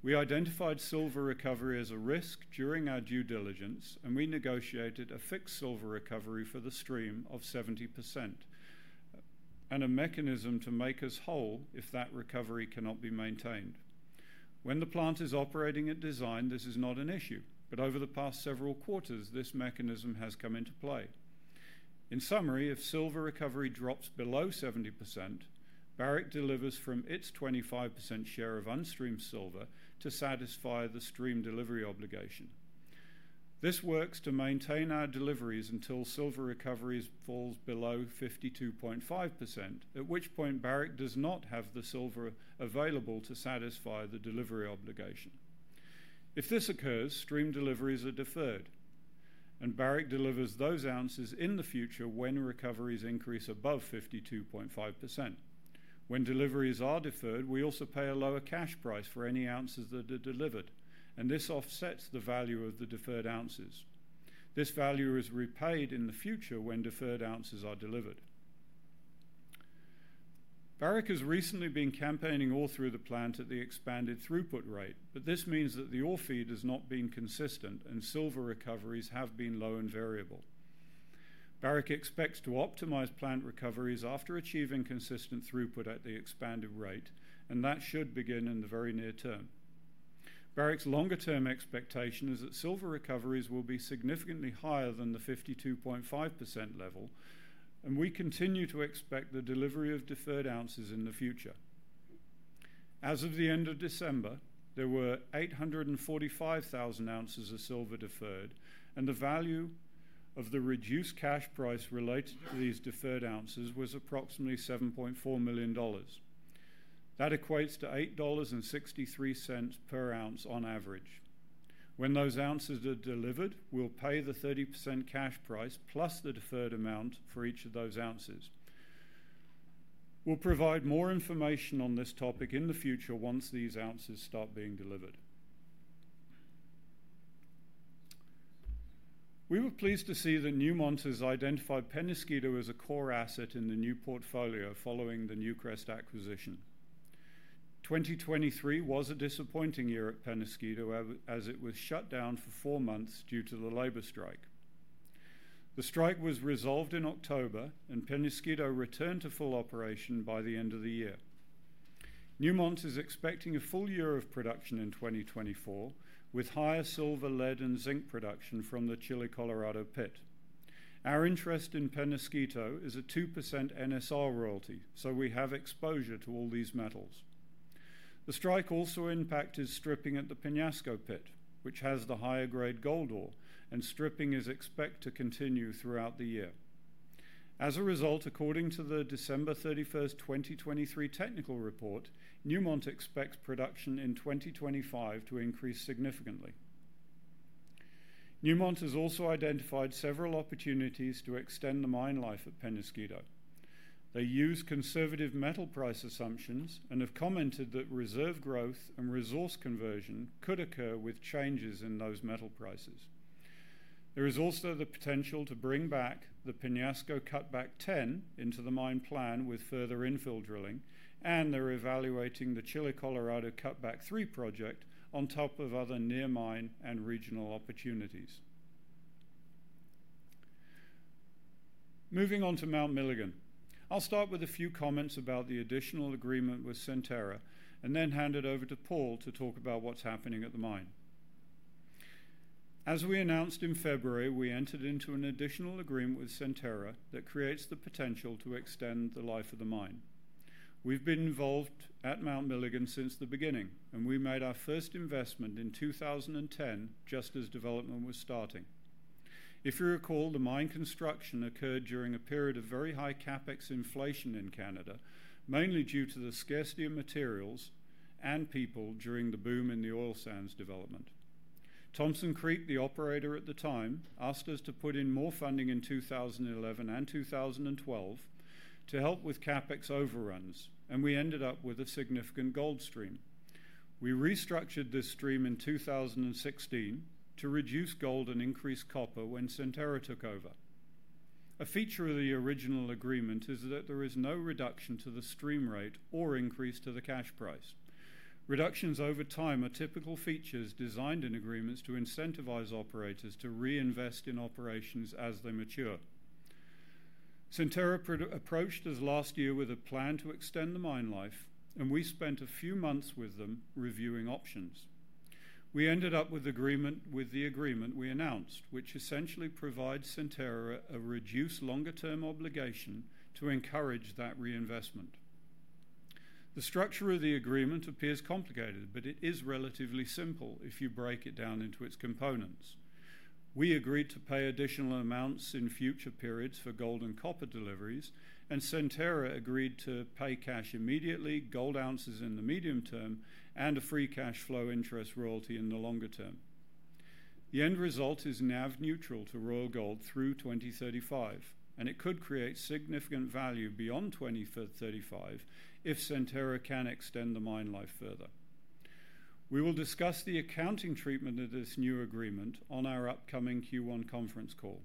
We identified silver recovery as a risk during our due diligence, and we negotiated a fixed silver recovery for the stream of 70%, and a mechanism to make us whole if that recovery cannot be maintained. When the plant is operating at design, this is not an issue, but over the past several quarters, this mechanism has come into play. In summary, if silver recovery drops below 70%, Barrick delivers from its 25% share of unstreamed silver to satisfy the stream delivery obligation. This works to maintain our deliveries until silver recoveries falls below 52.5%, at which point Barrick does not have the silver available to satisfy the delivery obligation. If this occurs, stream deliveries are deferred, and Barrick delivers those ounces in the future when recoveries increase above 52.5%. When deliveries are deferred, we also pay a lower cash price for any ounces that are delivered, and this offsets the value of the deferred ounces. This value is repaid in the future when deferred ounces are delivered. Barrick has recently been campaigning all through the plant at the expanded throughput rate, but this means that the ore feed has not been consistent and silver recoveries have been low and variable. Barrick expects to optimize plant recoveries after achieving consistent throughput at the expanded rate, and that should begin in the very near term. Barrick's longer-term expectation is that silver recoveries will be significantly higher than the 52.5% level, and we continue to expect the delivery of deferred ounces in the future. As of the end of December, there were 845,000 ounces of silver deferred, and the value of the reduced cash price related to these deferred ounces was approximately $7.4 million. That equates to $8.63 per ounce on average. When those ounces are delivered, we'll pay the 30% cash price plus the deferred amount for each of those ounces. We'll provide more information on this topic in the future once these ounces start being delivered. We were pleased to see that Newmont has identified Peñasquito as a core asset in the new portfolio following the Newcrest acquisition. 2023 was a disappointing year at Peñasquito, as it was shut down for 4 months due to the labor strike. The strike was resolved in October, and Peñasquito returned to full operation by the end of the year. Newmont is expecting a full year of production in 2024, with higher silver, lead, and zinc production from the Chile Colorado pit. Our interest in Peñasquito is a 2% NSR royalty, so we have exposure to all these metals. The strike also impacted stripping at the Peñasco Pit, which has the higher-grade gold ore, and stripping is expected to continue throughout the year. As a result, according to the December 31st, 2023 technical report, Newmont expects production in 2025 to increase significantly. Newmont has also identified several opportunities to extend the mine life at Peñasquito. They use conservative metal price assumptions and have commented that reserve growth and resource conversion could occur with changes in those metal prices. There is also the potential to bring back the Peñasco Cutback 10 into the mine plan with further infill drilling, and they're evaluating the Chile Colorado Cutback 3 project on top of other near mine and regional opportunities. Moving on to Mount Milligan. I'll start with a few comments about the additional agreement with Centerra and then hand it over to Paul to talk about what's happening at the mine. As we announced in February, we entered into an additional agreement with Centerra that creates the potential to extend the life of the mine. We've been involved at Mount Milligan since the beginning, and we made our first investment in 2010, just as development was starting. If you recall, the mine construction occurred during a period of very high CapEx inflation in Canada, mainly due to the scarcity of materials and people during the boom in the oil sands development. Thompson Creek, the operator at the time, asked us to put in more funding in 2011 and 2012 to help with CapEx overruns, and we ended up with a significant gold stream. We restructured this stream in 2016 to reduce gold and increase copper when Centerra took over. A feature of the original agreement is that there is no reduction to the stream rate or increase to the cash price. Reductions over time are typical features designed in agreements to incentivize operators to reinvest in operations as they mature.... Centerra approached us last year with a plan to extend the mine life, and we spent a few months with them reviewing options. We ended up with agreement, with the agreement we announced, which essentially provides Centerra a reduced longer-term obligation to encourage that reinvestment. The structure of the agreement appears complicated, but it is relatively simple if you break it down into its components. We agreed to pay additional amounts in future periods for gold and copper deliveries, and Centerra agreed to pay cash immediately, gold ounces in the medium term, and a free cash flow interest royalty in the longer term. The end result is NAV neutral to Royal Gold through 2035, and it could create significant value beyond 2035 if Centerra can extend the mine life further. We will discuss the accounting treatment of this new agreement on our upcoming Q1 conference call.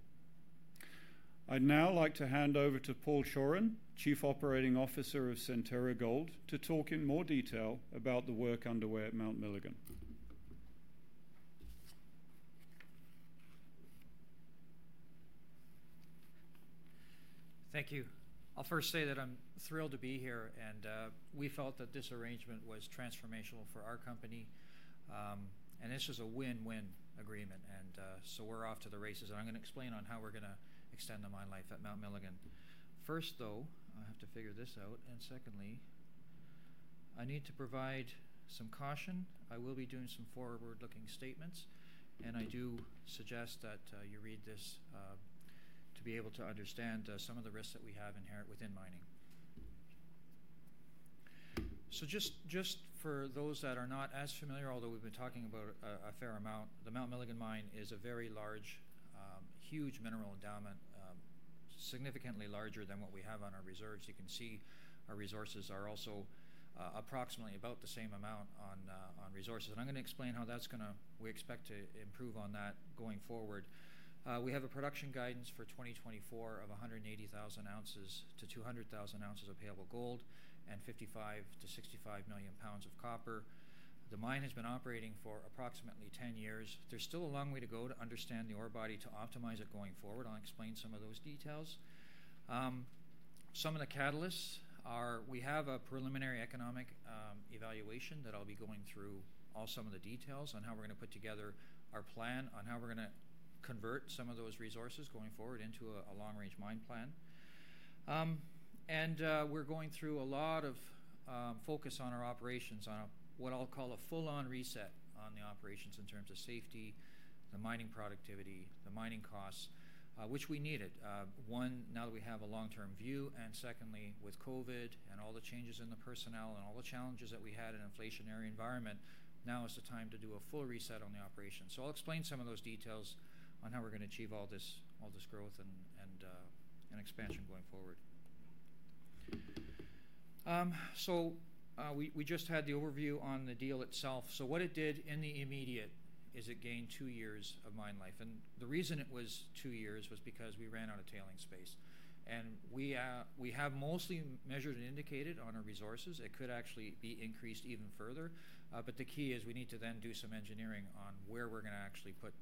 I'd now like to hand over to Paul Chawrun, Chief Operating Officer of Centerra Gold, to talk in more detail about the work underway at Mount Milligan. Thank you. I'll first say that I'm thrilled to be here, and we felt that this arrangement was transformational for our company. This is a win-win agreement, and so we're off to the races. I'm gonna explain on how we're gonna extend the mine life at Mount Milligan. First, though, I have to figure this out, and secondly, I need to provide some caution. I will be doing some forward-looking statements, and I do suggest that you read this to be able to understand some of the risks that we have inherent within mining. So just for those that are not as familiar, although we've been talking about a fair amount, the Mount Milligan mine is a very large huge mineral endowment, significantly larger than what we have on our reserves. You can see our resources are also, approximately about the same amount on, on resources. And I'm gonna explain how that's gonna... we expect to improve on that going forward. We have a production guidance for 2024 of 180,000 ounces-200,000 ounces of payable gold and 55-65 million pounds of copper. The mine has been operating for approximately 10 years. There's still a long way to go to understand the ore body to optimize it going forward. I'll explain some of those details. Some of the catalysts are, we have a preliminary economic, evaluation that I'll be going through all, some of the details on how we're gonna put together our plan on how we're gonna convert some of those resources going forward into a, a long-range mine plan. And, we're going through a lot of focus on our operations on a, what I'll call a full-on reset on the operations in terms of safety, the mining productivity, the mining costs, which we needed. One, now that we have a long-term view, and secondly, with COVID and all the changes in the personnel and all the challenges that we had in an inflationary environment, now is the time to do a full reset on the operation. So I'll explain some of those details on how we're gonna achieve all this, all this growth and expansion going forward. So, we just had the overview on the deal itself. So what it did in the immediate is it gained two years of mine life, and the reason it was two years was because we ran out of tailings space. We have mostly measured and indicated on our resources. It could actually be increased even further, but the key is we need to then do some engineering on where we're gonna actually put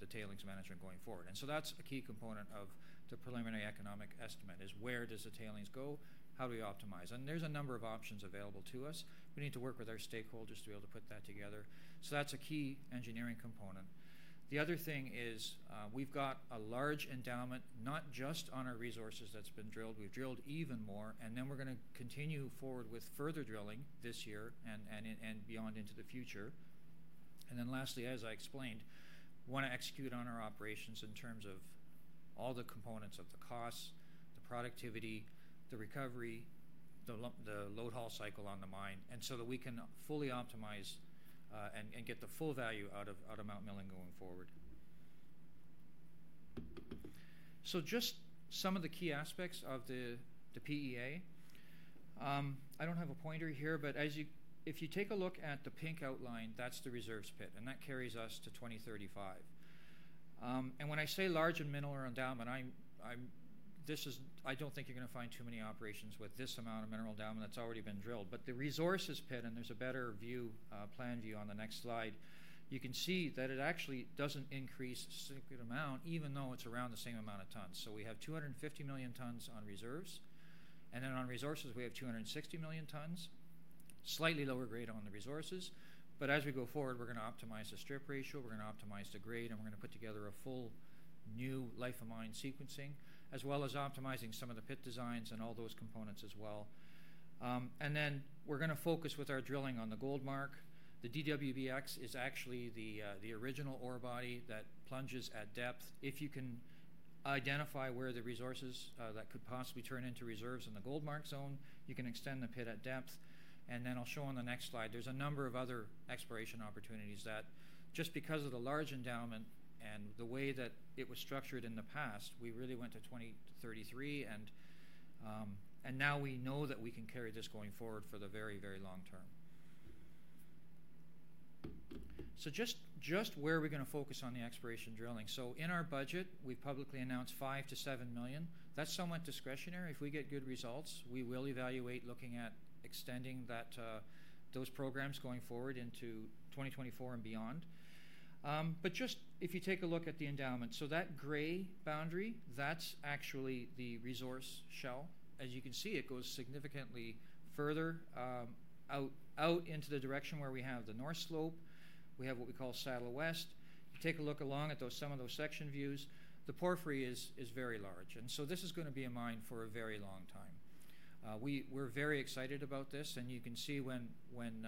the tailings management going forward. So that's a key component of the preliminary economic estimate, is where does the tailings go? How do we optimize? There's a number of options available to us. We need to work with our stakeholders to be able to put that together, so that's a key engineering component. The other thing is, we've got a large endowment, not just on our resources, that's been drilled, we've drilled even more, and then we're gonna continue forward with further drilling this year and beyond into the future. And then lastly, as I explained, we wanna execute on our operations in terms of all the components of the costs, the productivity, the recovery, the load-haul cycle on the mine, and so that we can fully optimize and get the full value out of Mount Milligan going forward. So just some of the key aspects of the PEA. I don't have a pointer here, but if you take a look at the pink outline, that's the reserves pit, and that carries us to 2035. And when I say large mineral endowment, I don't think you're gonna find too many operations with this amount of mineral endowment that's already been drilled. But the resources pit, and there's a better view, plan view, on the next slide, you can see that it actually doesn't increase a significant amount, even though it's around the same amount of tons. So we have 250 million tons on reserves, and then on resources, we have 260 million tons. Slightly lower grade on the resources, but as we go forward, we're gonna optimize the strip ratio, we're gonna optimize the grade, and we're gonna put together a full, new life of mine sequencing, as well as optimizing some of the pit designs and all those components as well. And then we're gonna focus with our drilling on the Goldmark. The DWBX is actually the, the original ore body that plunges at depth. If you can identify where the resources that could possibly turn into reserves in the Goldmark zone, you can extend the pit at depth. And then I'll show on the next slide, there's a number of other exploration opportunities that, just because of the large endowment and the way that it was structured in the past, we really went to 2033, and now we know that we can carry this going forward for the very, very long term. So just, just where are we going to focus on the exploration drilling? So in our budget, we've publicly announced $5 million-$7 million. That's somewhat discretionary. If we get good results, we will evaluate looking at extending that, those programs going forward into 2024 and beyond. But just if you take a look at the endowment, so that gray boundary, that's actually the resource shell. As you can see, it goes significantly further out, out into the direction where we have the north slope. We have what we call Saddle West. If you take a look along at those, some of those section views, the porphyry is very large, and so this is gonna be a mine for a very long time. We're very excited about this, and you can see when, when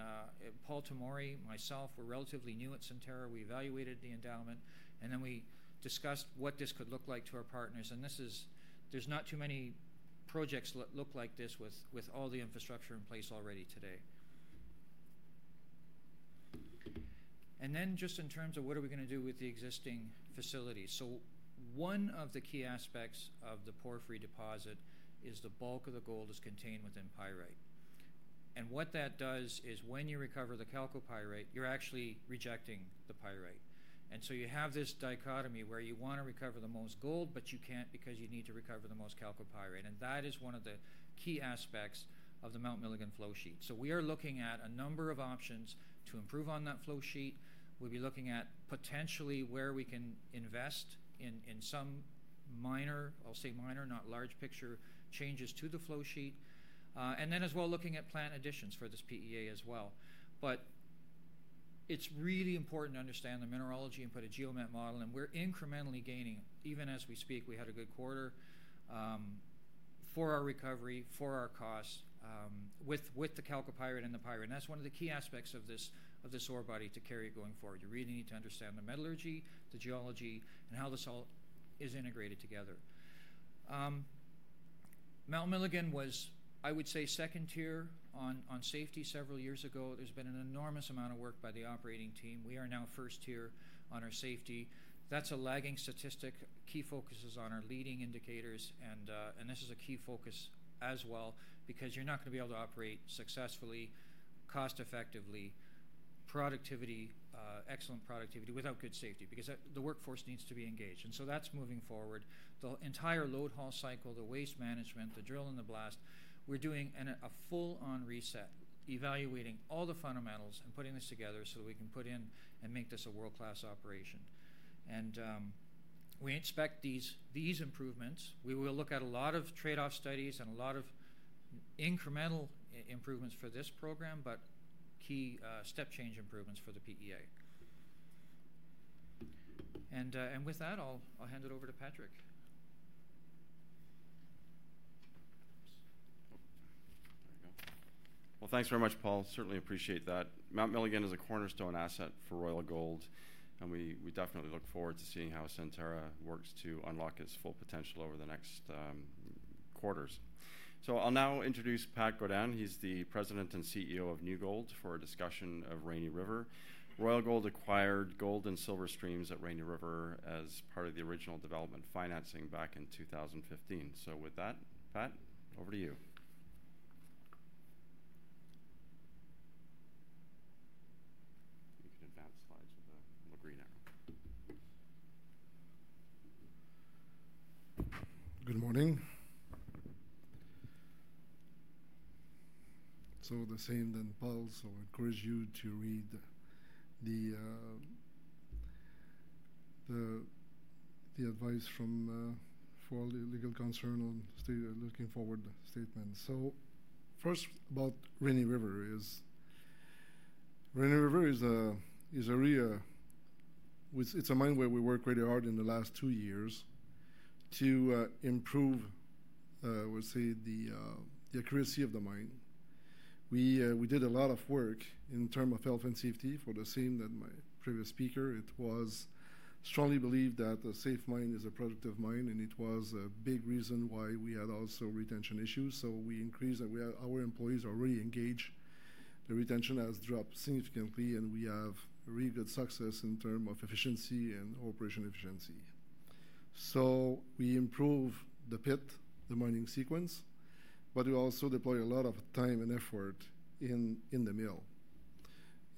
Paul Tomory, myself, we're relatively new at Centerra, we evaluated the endowment, and then we discussed what this could look like to our partners. And this is... There's not too many projects that look like this with, with all the infrastructure in place already today. And then just in terms of what are we gonna do with the existing facilities? So one of the key aspects of the porphyry deposit is the bulk of the gold is contained within pyrite. And what that does is when you recover the chalcopyrite, you're actually rejecting the pyrite. And so you have this dichotomy where you wanna recover the most gold, but you can't because you need to recover the most chalcopyrite, and that is one of the key aspects of the Mount Milligan flow sheet. So we are looking at a number of options to improve on that flow sheet. We'll be looking at potentially where we can invest in some minor, I'll say minor, not large picture, changes to the flow sheet, and then as well, looking at plant additions for this PEA as well. But it's really important to understand the mineralogy and put a geomat model, and we're incrementally gaining. Even as we speak, we had a good quarter for our recovery, for our costs, with, with the chalcopyrite and the pyrite. And that's one of the key aspects of this, of this ore body to carry it going forward. You really need to understand the metallurgy, the geology, and how this all is integrated together. Mount Milligan was, I would say, second tier on, on safety several years ago. There's been an enormous amount of work by the operating team. We are now first tier on our safety. That's a lagging statistic. Key focus is on our leading indicators, and this is a key focus as well, because you're not gonna be able to operate successfully, cost-effectively, productivity, excellent productivity without good safety, because that... The workforce needs to be engaged, and so that's moving forward. The entire load-haul cycle, the waste management, the drill and the blast, we're doing a full-on reset, evaluating all the fundamentals and putting this together so we can put in and make this a world-class operation. We expect these improvements. We will look at a lot of trade-off studies and a lot of incremental improvements for this program, but key step-change improvements for the PEA. And with that, I'll hand it over to Patrick. There we go. Well, thanks very much, Paul. Certainly appreciate that. Mount Milligan is a cornerstone asset for Royal Gold, and we definitely look forward to seeing how Centerra works to unlock its full potential over the next quarters. So I'll now introduce Pat Godin. He's the President and CEO of New Gold for a discussion of Rainy River. Royal Gold acquired gold and silver streams at Rainy River as part of the original development financing back in 2015. So with that, Pat, over to you. You can advance slides with the little green arrow. Good morning. So the same as Paul, so encourage you to read the advice from the legal counsel on safe harbor forward-looking statements. So first, about Rainy River is... Rainy River is a real—It's a mine where we worked really hard in the last two years to improve, we'll say, the accuracy of the mine. We did a lot of work in terms of health and safety for the same as my previous speaker. It was strongly believed that a safe mine is a productive mine, and it was a big reason why we had also retention issues, so we increased and our employees are really engaged. The retention has dropped significantly, and we have really good success in terms of efficiency and operational efficiency. So we improve the pit, the mining sequence, but we also deploy a lot of time and effort in, in the mill.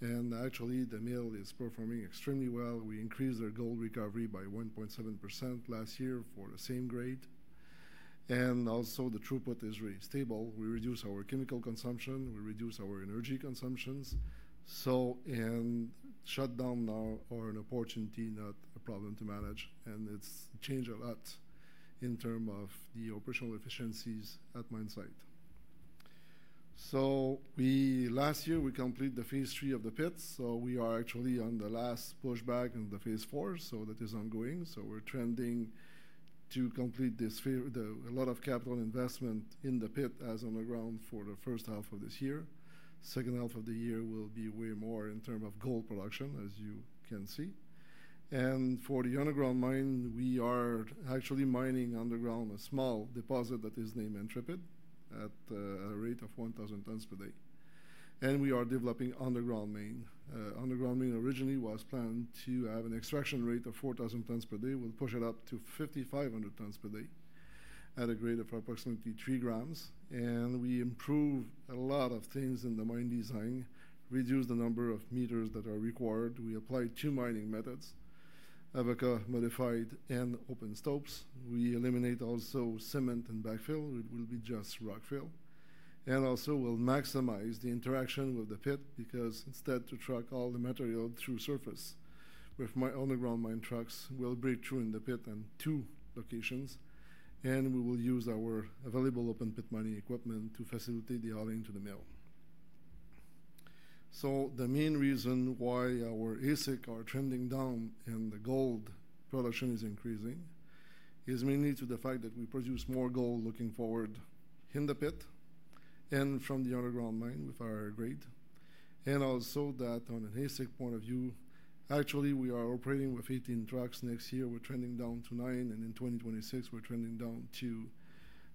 And actually, the mill is performing extremely well. We increased our gold recovery by 1.7% last year for the same grade, and also the throughput is really stable. We reduced our chemical consumption, we reduced our energy consumptions. So, and shutdowns now are an opportunity, not a problem, to manage, and it's changed a lot in terms of the operational efficiencies at mine site. Last year, we completed the phase three of the pit, so we are actually on the last pushback in the phase four, so that is ongoing. So we're trending to complete this phase. A lot of capital investment in the pit is on the ground for the first half of this year. Second half of the year will be way more in terms of gold production, as you can see. For the underground mine, we are actually mining underground a small deposit that is named Intrepid, at a rate of 1,000 tons per day, and we are developing underground mine. Underground mine originally was planned to have an extraction rate of 4,000 tons per day. We'll push it up to 5,500 tons per day at a grade of approximately 3 grams, and we improve a lot of things in the mine design, reduce the number of meters that are required. We apply two mining methods: Avoca modified and open stopes. We also eliminate cement and backfill. It will be just rockfill, and also we'll maximize the interaction with the pit, because instead to truck all the material through surface, with underground mine trucks will break through in the pit in two locations, and we will use our available open pit mining equipment to facilitate the hauling to the mill. So the main reason why our AISC are trending down and the gold production is increasing is mainly to the fact that we produce more gold looking forward in the pit and from the underground mine with our grade. And also that on an AISC point of view, actually, we are operating with 18 trucks. Next year, we're trending down to 9, and in 2026, we're trending down to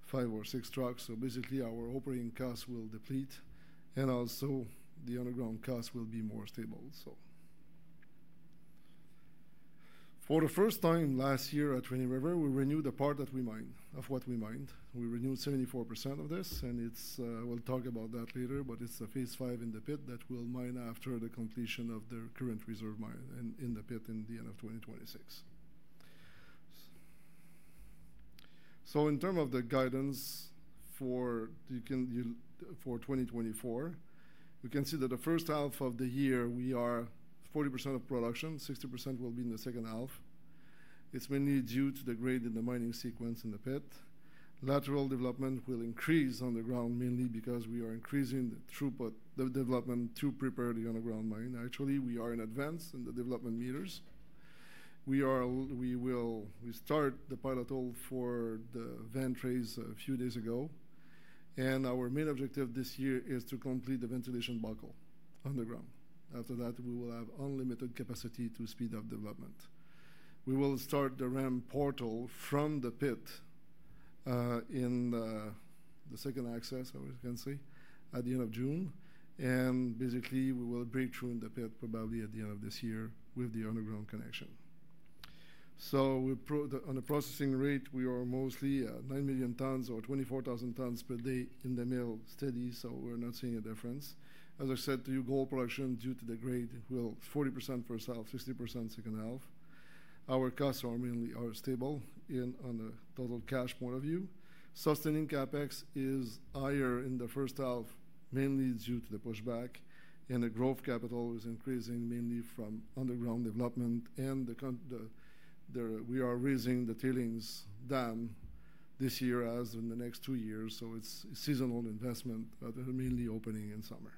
5 or 6 trucks. So basically, our operating costs will deplete, and also the underground costs will be more stable, so. For the first time last year at Rainy River, we renewed the part that we mined of what we mined. We renewed 74% of this, and it's. We'll talk about that later, but it's the phase five in the pit that we'll mine after the completion of the current reserve mine in the pit in the end of 2026. So in terms of the guidance for 2024, we can see that the first half of the year, we are 40% of production, 60% will be in the second half. It's mainly due to the grade in the mining sequence in the pit. Lateral development will increase underground, mainly because we are increasing the throughput, the development to prepare the underground mine. Actually, we are in advance in the development meters. We start the pilot hole for the vent raise a few days ago, and our main objective this year is to complete the ventilation buckle underground. After that, we will have unlimited capacity to speed up development. We will start the ramp portal from the pit in the second access, as you can see, at the end of June, and basically, we will break through in the pit probably at the end of this year with the underground connection. On the processing rate, we are mostly at 9 million tons or 24,000 tons per day in the mill, steady, so we're not seeing a difference. As I said to you, gold production, due to the grade, will 40% first half, 60% second half. Our costs are mainly stable on a total cash point of view. Sustaining CapEx is higher in the first half, mainly due to the pushback, and the growth capital is increasing mainly from underground development and the construction, the. We are raising the tailings dam this year, as in the next two years, so it's seasonal investment, but mainly opening in summer.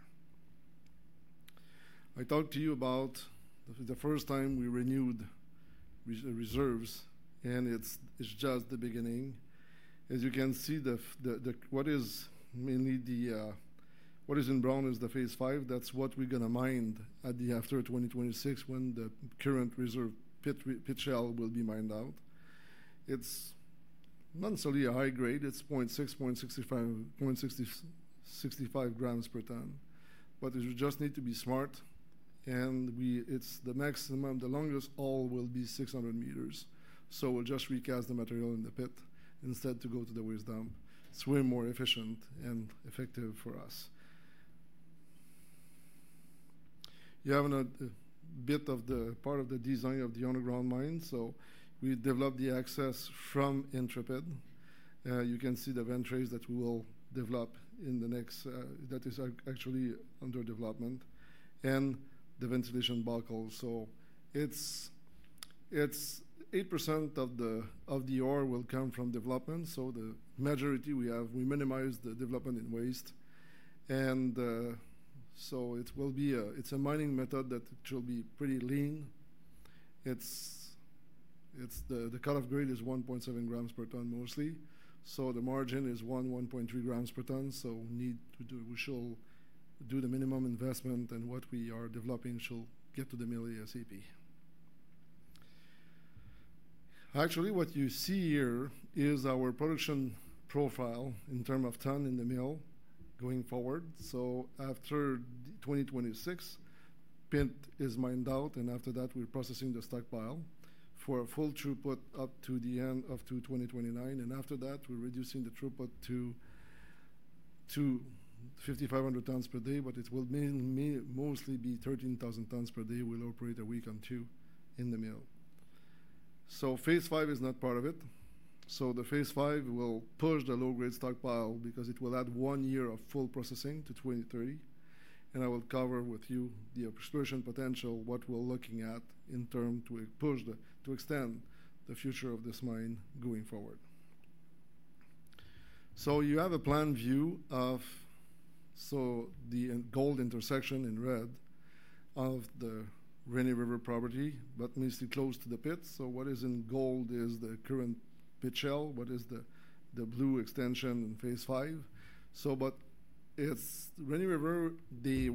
I talked to you about the first time we renewed reserves, and it's just the beginning. As you can see, what is mainly the. What is in brown is the phase five. That's what we're gonna mine after 2026, when the current reserve pit shell will be mined out. It's not necessarily a high grade. It's 0.6, 0.65, 0.60, 0.65 grams per ton, but you just need to be smart, and we-- It's the maximum, the longest hole will be 600 meters, so we'll just recast the material in the pit instead to go to the waste dump. It's way more efficient and effective for us. You have a, a bit of the part of the design of the underground mine, so we developed the access from Intrepid. You can see the vent raise that we will develop in the next... That is actually under development and the ventilation buckle. So it's, it's 8% of the, of the ore will come from development, so the majority we have, we minimize the development in waste. So it will be a-- it's a mining method that should be pretty lean. It's the cut-off grade is 1.7 grams per ton, mostly. So the margin is 1.3 grams per ton, so we need to do—we shall do the minimum investment, and what we are developing should get to the mill ASAP. Actually, what you see here is our production profile in terms of tons in the mill going forward. So after 2026, pit is mined out, and after that, we're processing the stockpile for a full throughput up to the end of 2029, and after that, we're reducing the throughput to 5,500 tons per day, but it will mostly be 13,000 tons per day. We'll operate a week on two in the mill. So phase five is not part of it. The phase 5 will push the low-grade stockpile because it will add one year of full processing to 2030, and I will cover with you the exploration potential, what we're looking at in terms to push to extend the future of this mine going forward. You have a plan view of the underground intersection in red of the Rainy River property, but mostly close to the pit. What is in gold is the current pit shell. What is the blue extension in phase 5. But it's Rainy River, the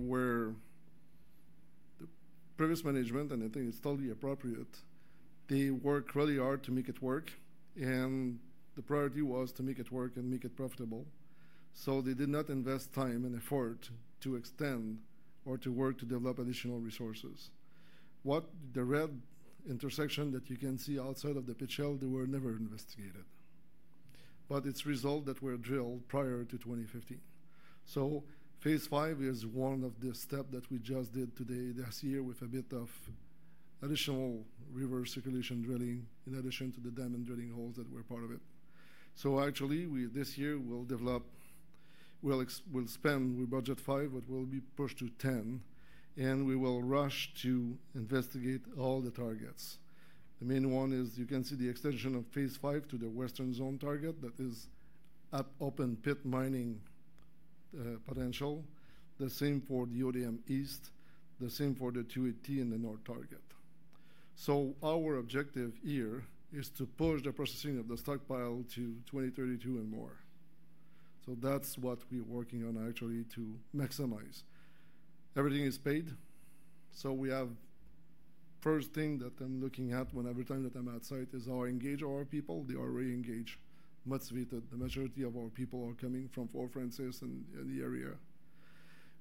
previous management, and I think it's totally appropriate, they worked really hard to make it work, and the priority was to make it work and make it profitable. They did not invest time and effort to extend or to work to develop additional resources. With the red intersection that you can see outside of the pit shell, they were never investigated, but it's results that were drilled prior to 2015. So Phase Five is one of the steps that we just did today, this year, with a bit of additional reverse circulation drilling, in addition to the diamond drilling holes that were part of it. So actually, this year, we'll spend; we budget 5, but we'll be pushed to 10, and we will rush to investigate all the targets. The main one is, you can see the extension of Phase Five to the Western Zone target that is at open pit mining potential. The same for the ODM East, the same for the 280 and the North target. So our objective here is to push the processing of the stockpile to 2032 and more. So that's what we're working on actually to maximize. Everything is paid, so we have... First thing that I'm looking at when every time that I'm at site is how engaged are our people. They are really engaged, motivated. The majority of our people are coming from Fort Frances and the area.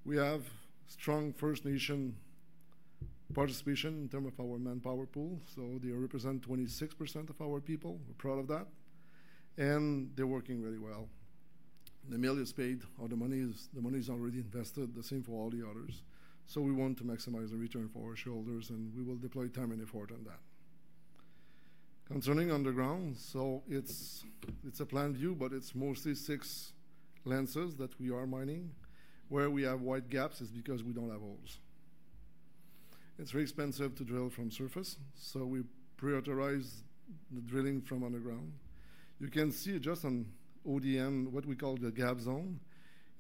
We have strong First Nation participation in terms of our manpower pool, so they represent 26% of our people. We're proud of that, and they're working really well. The mill is paid, all the money is, the money is already invested, the same for all the others, so we want to maximize the return for our shareholders, and we will deploy time and effort on that. Concerning underground, so it's a planned view, but it's mostly six lenses that we are mining. Where we have wide gaps is because we don't have holes. It's very expensive to drill from surface, so we prioritize the drilling from underground. You can see just on ODM, what we call the gap zone.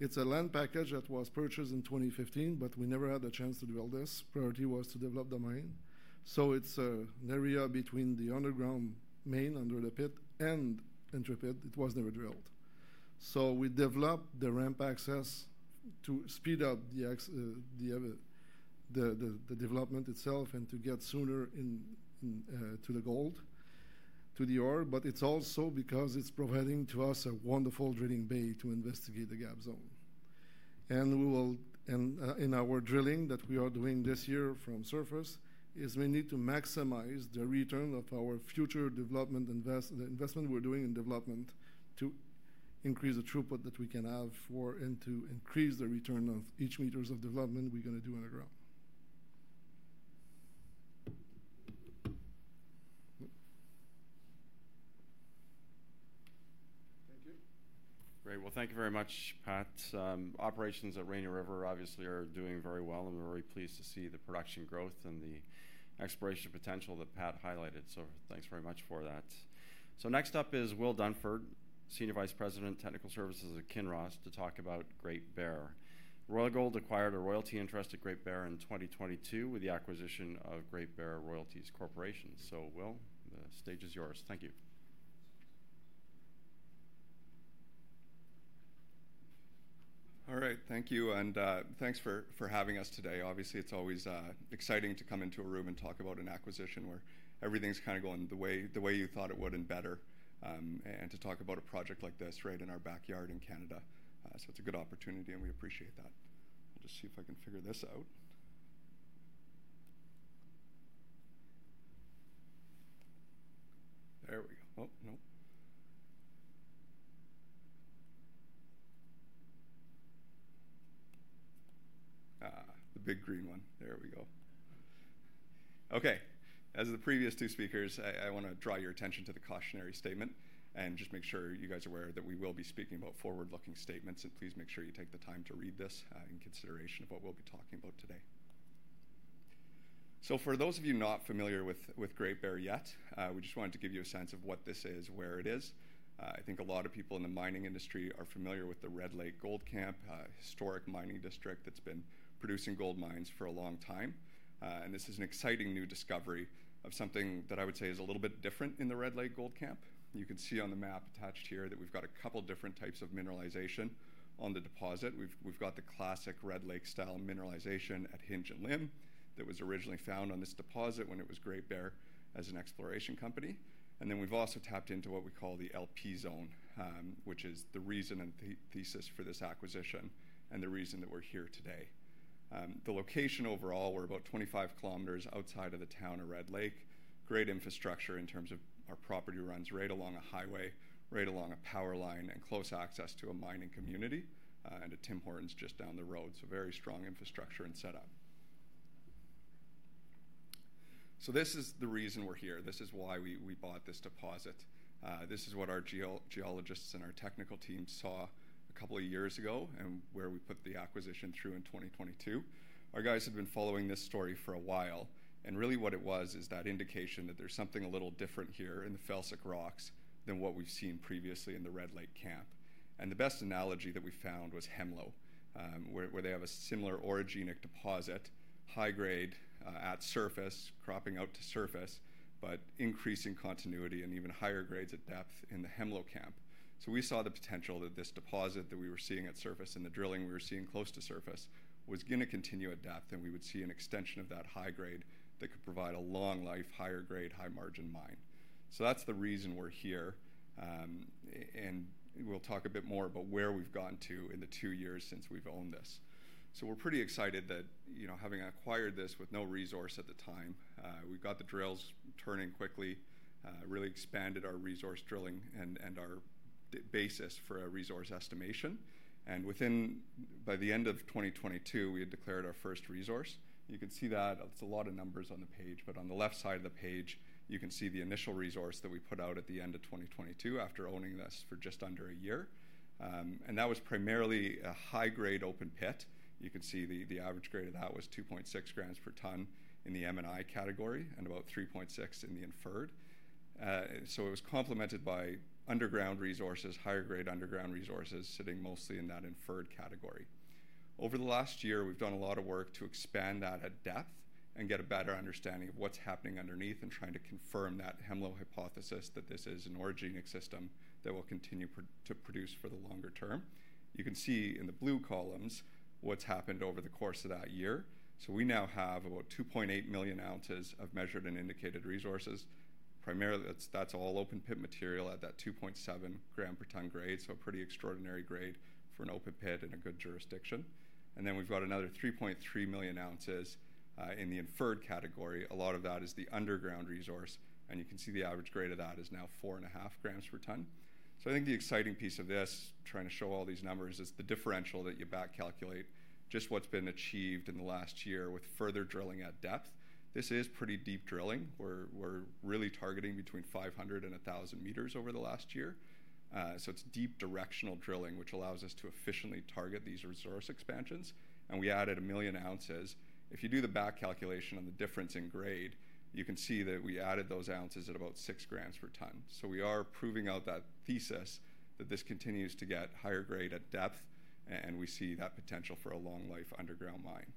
It's a land package that was purchased in 2015, but we never had the chance to develop this. Priority was to develop the mine. So it's an area between the underground main, under the pit, and Intrepid. It was never drilled. So we developed the ramp access to speed up the development itself and to get sooner in to the gold, to the ore, but it's also because it's providing to us a wonderful drilling bay to investigate the gap zone. And we will... In our drilling that we are doing this year from surface, we need to maximize the return of our future development investment we're doing in development to increase the throughput that we can have for and to increase the return of each meters of development we're gonna do underground. Thank you. Great. Well, thank you very much, Pat. Operations at Rainy River obviously are doing very well, and we're very pleased to see the production growth and the exploration potential that Pat highlighted, so thanks very much for that. So next up is Will Dunford, Senior Vice President, Technical Services at Kinross, to talk about Great Bear. Royal Gold acquired a royalty interest at Great Bear in 2022 with the acquisition of Great Bear Royalties Corporation. So, Will, the stage is yours. Thank you. All right, thank you, and thanks for having us today. Obviously, it's always exciting to come into a room and talk about an acquisition where everything's kinda going the way you thought it would and better, and to talk about a project like this right in our backyard in Canada. So it's a good opportunity, and we appreciate that. I'll just see if I can figure this out. There we go. Oh, nope. The big green one. There we go. Okay. As the previous two speakers, I wanna draw your attention to the cautionary statement and just make sure you guys are aware that we will be speaking about forward-looking statements, and please make sure you take the time to read this in consideration of what we'll be talking about today. So for those of you not familiar with Great Bear yet, we just wanted to give you a sense of what this is, where it is. I think a lot of people in the mining industry are familiar with the Red Lake gold camp, a historic mining district that's been producing gold mines for a long time. And this is an exciting new discovery of something that I would say is a little bit different in the Red Lake gold camp. You can see on the map attached here that we've got a couple different types of mineralization on the deposit. We've got the classic Red Lake-style mineralization at Hinge and Limb that was originally found on this deposit when it was Great Bear as an exploration company. And then we've also tapped into what we call the LP zone, which is the reason and the thesis for this acquisition and the reason that we're here today. The location overall, we're about 25 kilometers outside of the town of Red Lake. Great infrastructure in terms of our property runs right along a highway, right along a power line, and close access to a mining community, and a Tim Hortons just down the road, so very strong infrastructure and setup. So this is the reason we're here. This is why we bought this deposit. This is what our geologists and our technical team saw a couple of years ago and where we put the acquisition through in 2022. Our guys have been following this story for a while, and really what it was is that indication that there's something a little different here in the felsic rocks... than what we've seen previously in the Red Lake camp. The best analogy that we found was Hemlo, where they have a similar orogenic deposit, high grade, at surface, cropping out to surface, but increasing continuity and even higher grades at depth in the Hemlo Camp. We saw the potential that this deposit that we were seeing at surface, and the drilling we were seeing close to surface, was gonna continue at depth, and we would see an extension of that high grade that could provide a long-life, higher grade, high-margin mine. That's the reason we're here. And we'll talk a bit more about where we've gotten to in the two years since we've owned this. So we're pretty excited that, you know, having acquired this with no resource at the time, we got the drills turning quickly, really expanded our resource drilling and our basis for a resource estimation, and by the end of 2022, we had declared our first resource. You can see that. It's a lot of numbers on the page, but on the left side of the page, you can see the initial resource that we put out at the end of 2022 after owning this for just under a year. And that was primarily a high-grade open pit. You can see the average grade of that was 2.6 grams per tonne in the M&I category and about 3.6 in the Inferred. So it was complemented by underground resources, higher-grade underground resources, sitting mostly in that Inferred category. Over the last year, we've done a lot of work to expand that at depth and get a better understanding of what's happening underneath and trying to confirm that Hemlo hypothesis, that this is an orogenic system that will continue to produce for the longer term. You can see in the blue columns what's happened over the course of that year. So we now have about 2.8 million ounces of measured and indicated resources. Primarily, that's, that's all open pit material at that 2.7 grams per tonne grade, so a pretty extraordinary grade for an open pit in a good jurisdiction. And then we've got another 3.3 million ounces in the Inferred category. A lot of that is the underground resource, and you can see the average grade of that is now 4.5 grams per tonne. So I think the exciting piece of this, trying to show all these numbers, is the differential that you back calculate, just what's been achieved in the last year with further drilling at depth. This is pretty deep drilling, where we're really targeting between 500 and 1,000 meters over the last year. So it's deep directional drilling, which allows us to efficiently target these resource expansions, and we added a million ounces. If you do the back calculation on the difference in grade, you can see that we added those ounces at about 6 grams per tonne. So we are proving out that thesis, that this continues to get higher grade at depth, and we see that potential for a long-life underground mine.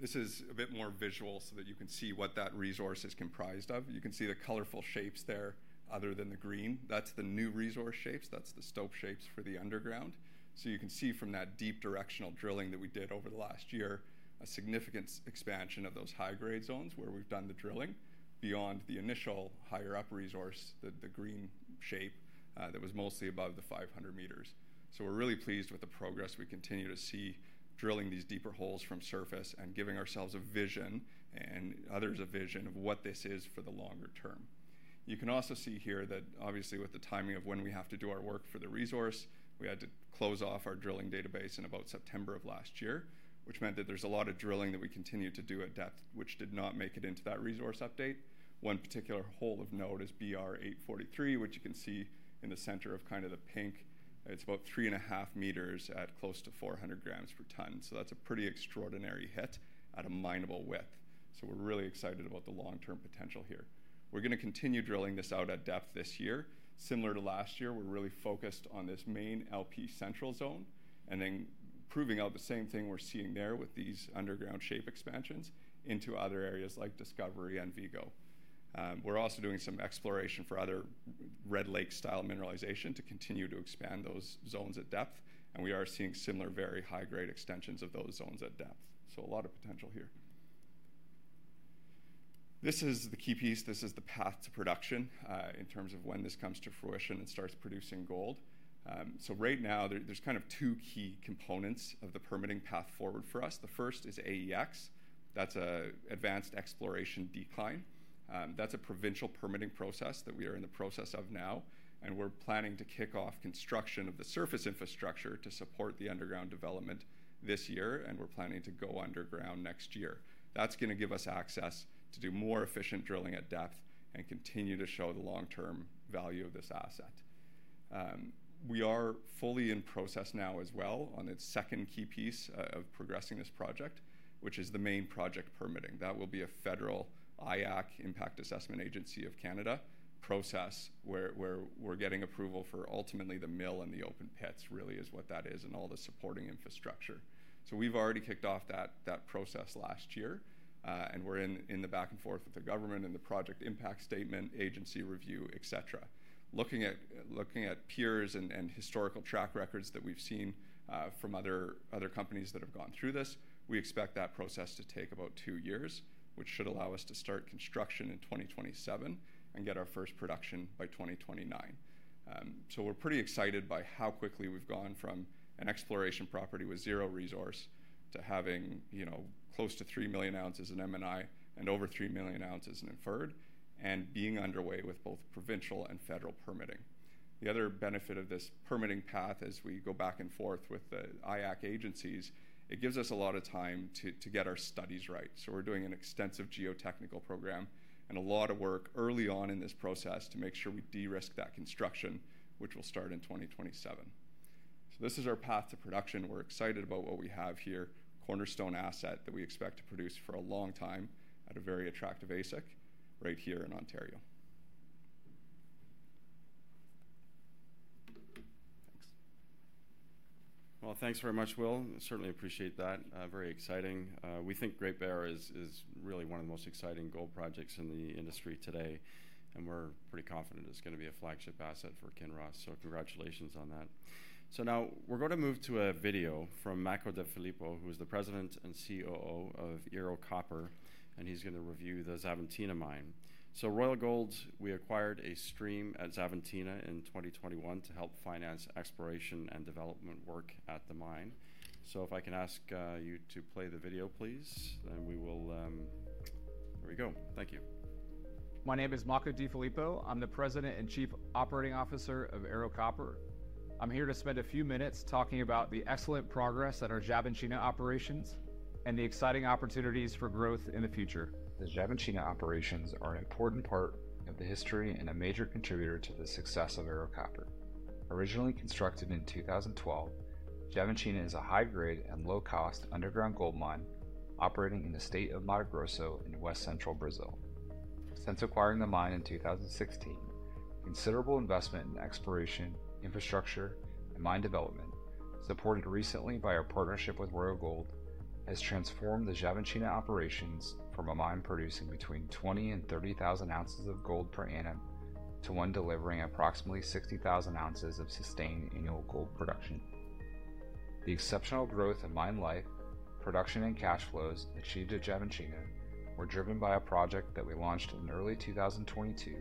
This is a bit more visual so that you can see what that resource is comprised of. You can see the colorful shapes there other than the green. That's the new resource shapes. That's the stope shapes for the underground. So you can see from that deep directional drilling that we did over the last year, a significant expansion of those high-grade zones where we've done the drilling beyond the initial higher up resource, the green shape, that was mostly above the 500 meters. So we're really pleased with the progress. We continue to see drilling these deeper holes from surface and giving ourselves a vision, and others a vision, of what this is for the longer term. You can also see here that obviously, with the timing of when we have to do our work for the resource, we had to close off our drilling database in about September of last year, which meant that there's a lot of drilling that we continued to do at depth, which did not make it into that resource update. One particular hole of note is BR-843, which you can see in the center of kind of the pink. It's about 3.5 meters at close to 400 grams per tonne. So that's a pretty extraordinary hit at a mineable width. So we're really excited about the long-term potential here. We're gonna continue drilling this out at depth this year. Similar to last year, we're really focused on this main LP Central Zone, and then proving out the same thing we're seeing there with these underground shape expansions into other areas like Discovery and Vigo. We're also doing some exploration for other Red Lake-style mineralization to continue to expand those zones at depth, and we are seeing similar very high-grade extensions of those zones at depth. So a lot of potential here. This is the key piece. This is the path to production, in terms of when this comes to fruition and starts producing gold. So right now, there's kind of two key components of the permitting path forward for us. The first is AEX. That's advanced exploration decline. That's a provincial permitting process that we are in the process of now, and we're planning to kick off construction of the surface infrastructure to support the underground development this year, and we're planning to go underground next year. That's gonna give us access to do more efficient drilling at depth and continue to show the long-term value of this asset. We are fully in process now as well on its second key piece of progressing this project, which is the main project permitting. That will be a federal IAAC, Impact Assessment Agency of Canada, process, where we're getting approval for ultimately the mill and the open pits, really is what that is, and all the supporting infrastructure. So we've already kicked off that process last year, and we're in the back and forth with the government and the project impact statement, agency review, et cetera. Looking at peers and historical track records that we've seen from other companies that have gone through this, we expect that process to take about two years, which should allow us to start construction in 2027 and get our first production by 2029. So we're pretty excited by how quickly we've gone from an exploration property with zero resource to having, you know, close to 3 million ounces in M&I and over 3 million ounces in Inferred, and being underway with both provincial and federal permitting. The other benefit of this permitting path as we go back and forth with the IAAC agencies, it gives us a lot of time to get our studies right. So we're doing an extensive geotechnical program and a lot of work early on in this process to make sure we de-risk that construction, which will start in 2027. So this is our path to production. We're excited about what we have here, cornerstone asset that we expect to produce for a long time at a very attractive AISC right here in Ontario. Thanks. Well, thanks very much, Will. Certainly appreciate that. Very exciting. We think Great Bear is, is really one of the most exciting gold projects in the industry today, and we're pretty confident it's gonna be a flagship asset for Kinross, so congratulations on that. So now we're gonna move to a video from Makko DeFilippo, who is the President and COO of Ero Copper, and he's gonna review the Xavantina mine. So Royal Gold, we acquired a stream at Xavantina in 2021 to help finance exploration and development work at the mine. So if I can ask you to play the video, please, and we will. There we go. Thank you. My name is Makko DeFilippo. I'm the President and Chief Operating Officer of Ero Copper. I'm here to spend a few minutes talking about the excellent progress at our Xavantina operations and the exciting opportunities for growth in the future. The Xavantina operations are an important part of the history and a major contributor to the success of Ero Copper. Originally constructed in 2012, Xavantina is a high-grade and low-cost underground gold mine operating in the state of Mato Grosso in West Central Brazil. Since acquiring the mine in 2016, considerable investment in exploration, infrastructure, and mine development, supported recently by our partnership with Royal Gold, has transformed the Xavantina operations from a mine producing between 20,000 and 30,000 ounces of gold per annum to one delivering approximately 60,000 ounces of sustained annual gold production. The exceptional growth in mine life, production, and cash flows achieved at Xavantina were driven by a project that we launched in early 2022,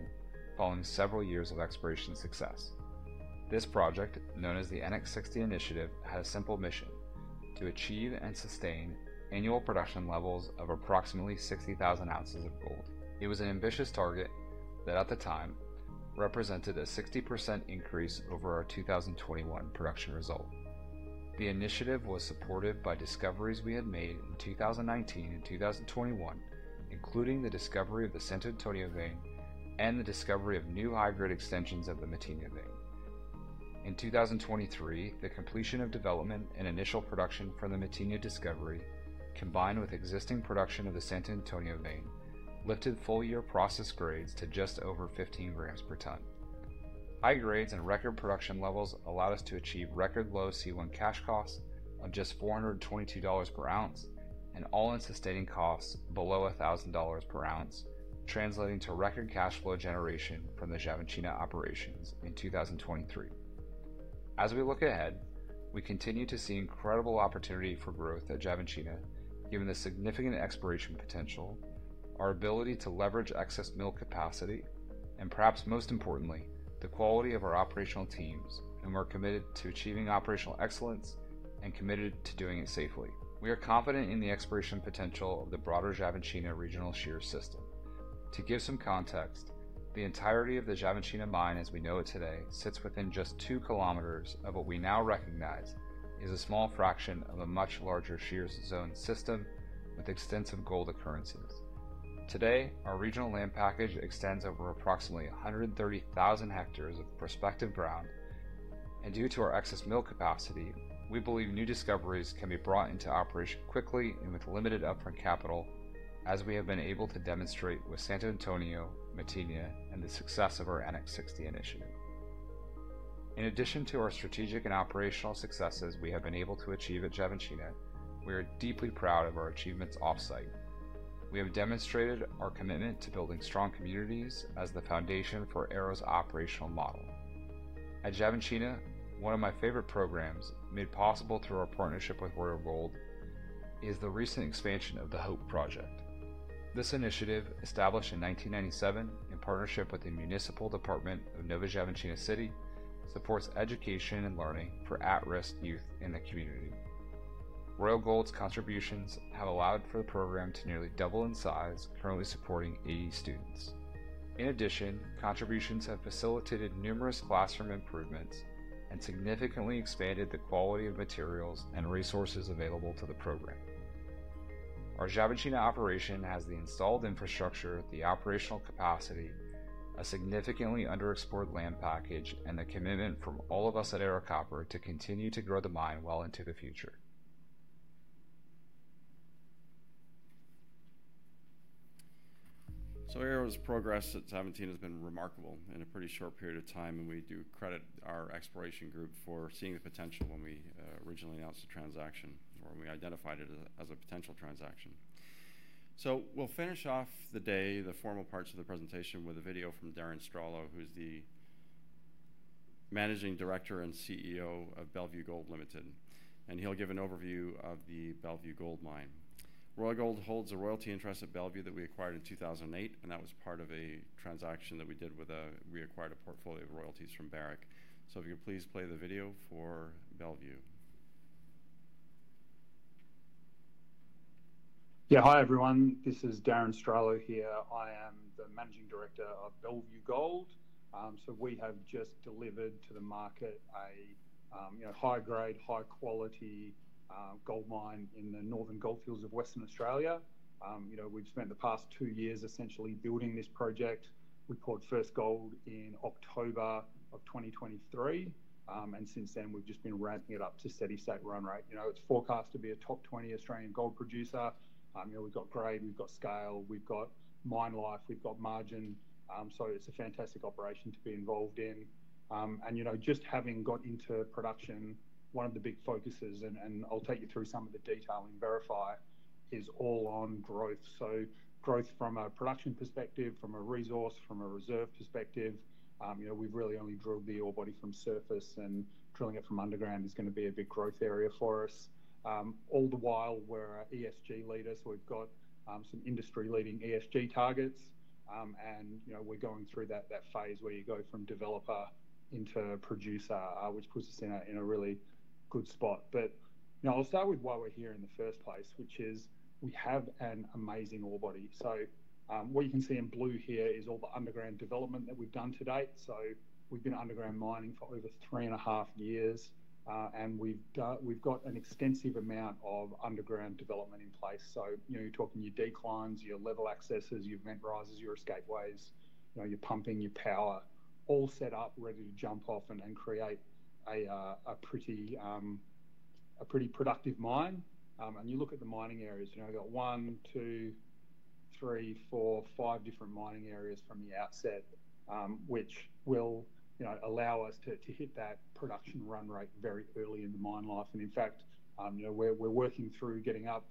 following several years of exploration success. This project, known as the NX 60 Initiative, had a simple mission: to achieve and sustain annual production levels of approximately 60,000 ounces of gold. It was an ambitious target that, at the time, represented a 60% increase over our 2021 production result. The initiative was supported by discoveries we had made in 2019 and 2021, including the discovery of the Santo Antonio vein and the discovery of new high-grade extensions of the Matinha vein. In 2023, the completion of development and initial production from the Matinha discovery, combined with existing production of the Santo Antonio vein, lifted full-year process grades to just over 15 grams per tonne. High grades and record production levels allowed us to achieve record low C1 cash costs of just $422 per ounce and all-in sustaining costs below $1,000 per ounce, translating to record cash flow generation from the Xavantina operations in 2023. As we look ahead, we continue to see incredible opportunity for growth at Xavantina, given the significant exploration potential, our ability to leverage excess mill capacity, and perhaps most importantly, the quality of our operational teams, whom are committed to achieving operational excellence and committed to doing it safely. We are confident in the exploration potential of the broader Xavantina regional shear system. To give some context, the entirety of the Xavantina mine as we know it today, sits within just 2 kilometers of what we now recognize is a small fraction of a much larger shear zone system with extensive gold occurrences. Today, our regional land package extends over approximately 130,000 hectares of prospective ground, and due to our excess mill capacity, we believe new discoveries can be brought into operation quickly and with limited upfront capital, as we have been able to demonstrate with Santo Antonio, Matinha, and the success of our NX 60 Initiative. In addition to our strategic and operational successes we have been able to achieve at Xavantina, we are deeply proud of our achievements off-site. We have demonstrated our commitment to building strong communities as the foundation for Ero's operational model. At Xavantina, one of my favorite programs, made possible through our partnership with Royal Gold, is the recent expansion of the Hope Project. This initiative, established in 1997 in partnership with the Municipal Department of Nova Xavantina City, supports education and learning for at-risk youth in the community. Royal Gold's contributions have allowed for the program to nearly double in size, currently supporting 80 students. In addition, contributions have facilitated numerous classroom improvements and significantly expanded the quality of materials and resources available to the program. Our Xavantina operation has the installed infrastructure, the operational capacity, a significantly underexplored land package, and the commitment from all of us at Ero Copper to continue to grow the mine well into the future. So Ero's progress at Xavantina has been remarkable in a pretty short period of time, and we do credit our exploration group for seeing the potential when we originally announced the transaction or when we identified it as a potential transaction. So we'll finish off the day, the formal parts of the presentation, with a video from Darren Stralow, who's the Managing Director and CEO of Bellevue Gold Limited, and he'll give an overview of the Bellevue Gold Mine. Royal Gold holds a royalty interest at Bellevue that we acquired in 2008, and that was part of a transaction that we did with a... We acquired a portfolio of royalties from Barrick. So if you could please play the video for Bellevue. ... Yeah, hi, everyone. This is Darren Stralow here. I am the managing director of Bellevue Gold. So we have just delivered to the market a, you know, high-grade, high-quality, gold mine in the northern goldfields of Western Australia. You know, we've spent the past two years essentially building this project. We poured first gold in October 2023, and since then, we've just been ramping it up to steady state run rate. You know, it's forecast to be a top-20 Australian gold producer. You know, we've got grade, we've got scale, we've got mine life, we've got margin. So it's a fantastic operation to be involved in. And, you know, just having got into production, one of the big focuses, and I'll take you through some of the detail in Verify, is all on growth. So growth from a production perspective, from a resource, from a reserve perspective. You know, we've really only drilled the ore body from surface, and drilling it from underground is gonna be a big growth area for us. All the while, we're an ESG leader, so we've got some industry-leading ESG targets. You know, we're going through that phase where you go from developer into producer, which puts us in a really good spot. But you know, I'll start with why we're here in the first place, which is we have an amazing ore body. So what you can see in blue here is all the underground development that we've done to date. So we've been underground mining for over three and a half years, and we've got an extensive amount of underground development in place. So, you know, you're talking your declines, your level accesses, your vent risers, your escape ways, you know, your pumping, your power, all set up, ready to jump off and create a pretty productive mine. And you look at the mining areas, you know, we've got 1, 2, 3, 4, 5 different mining areas from the outset, which will, you know, allow us to hit that production run rate very early in the mine life. And in fact, you know, we're working through getting up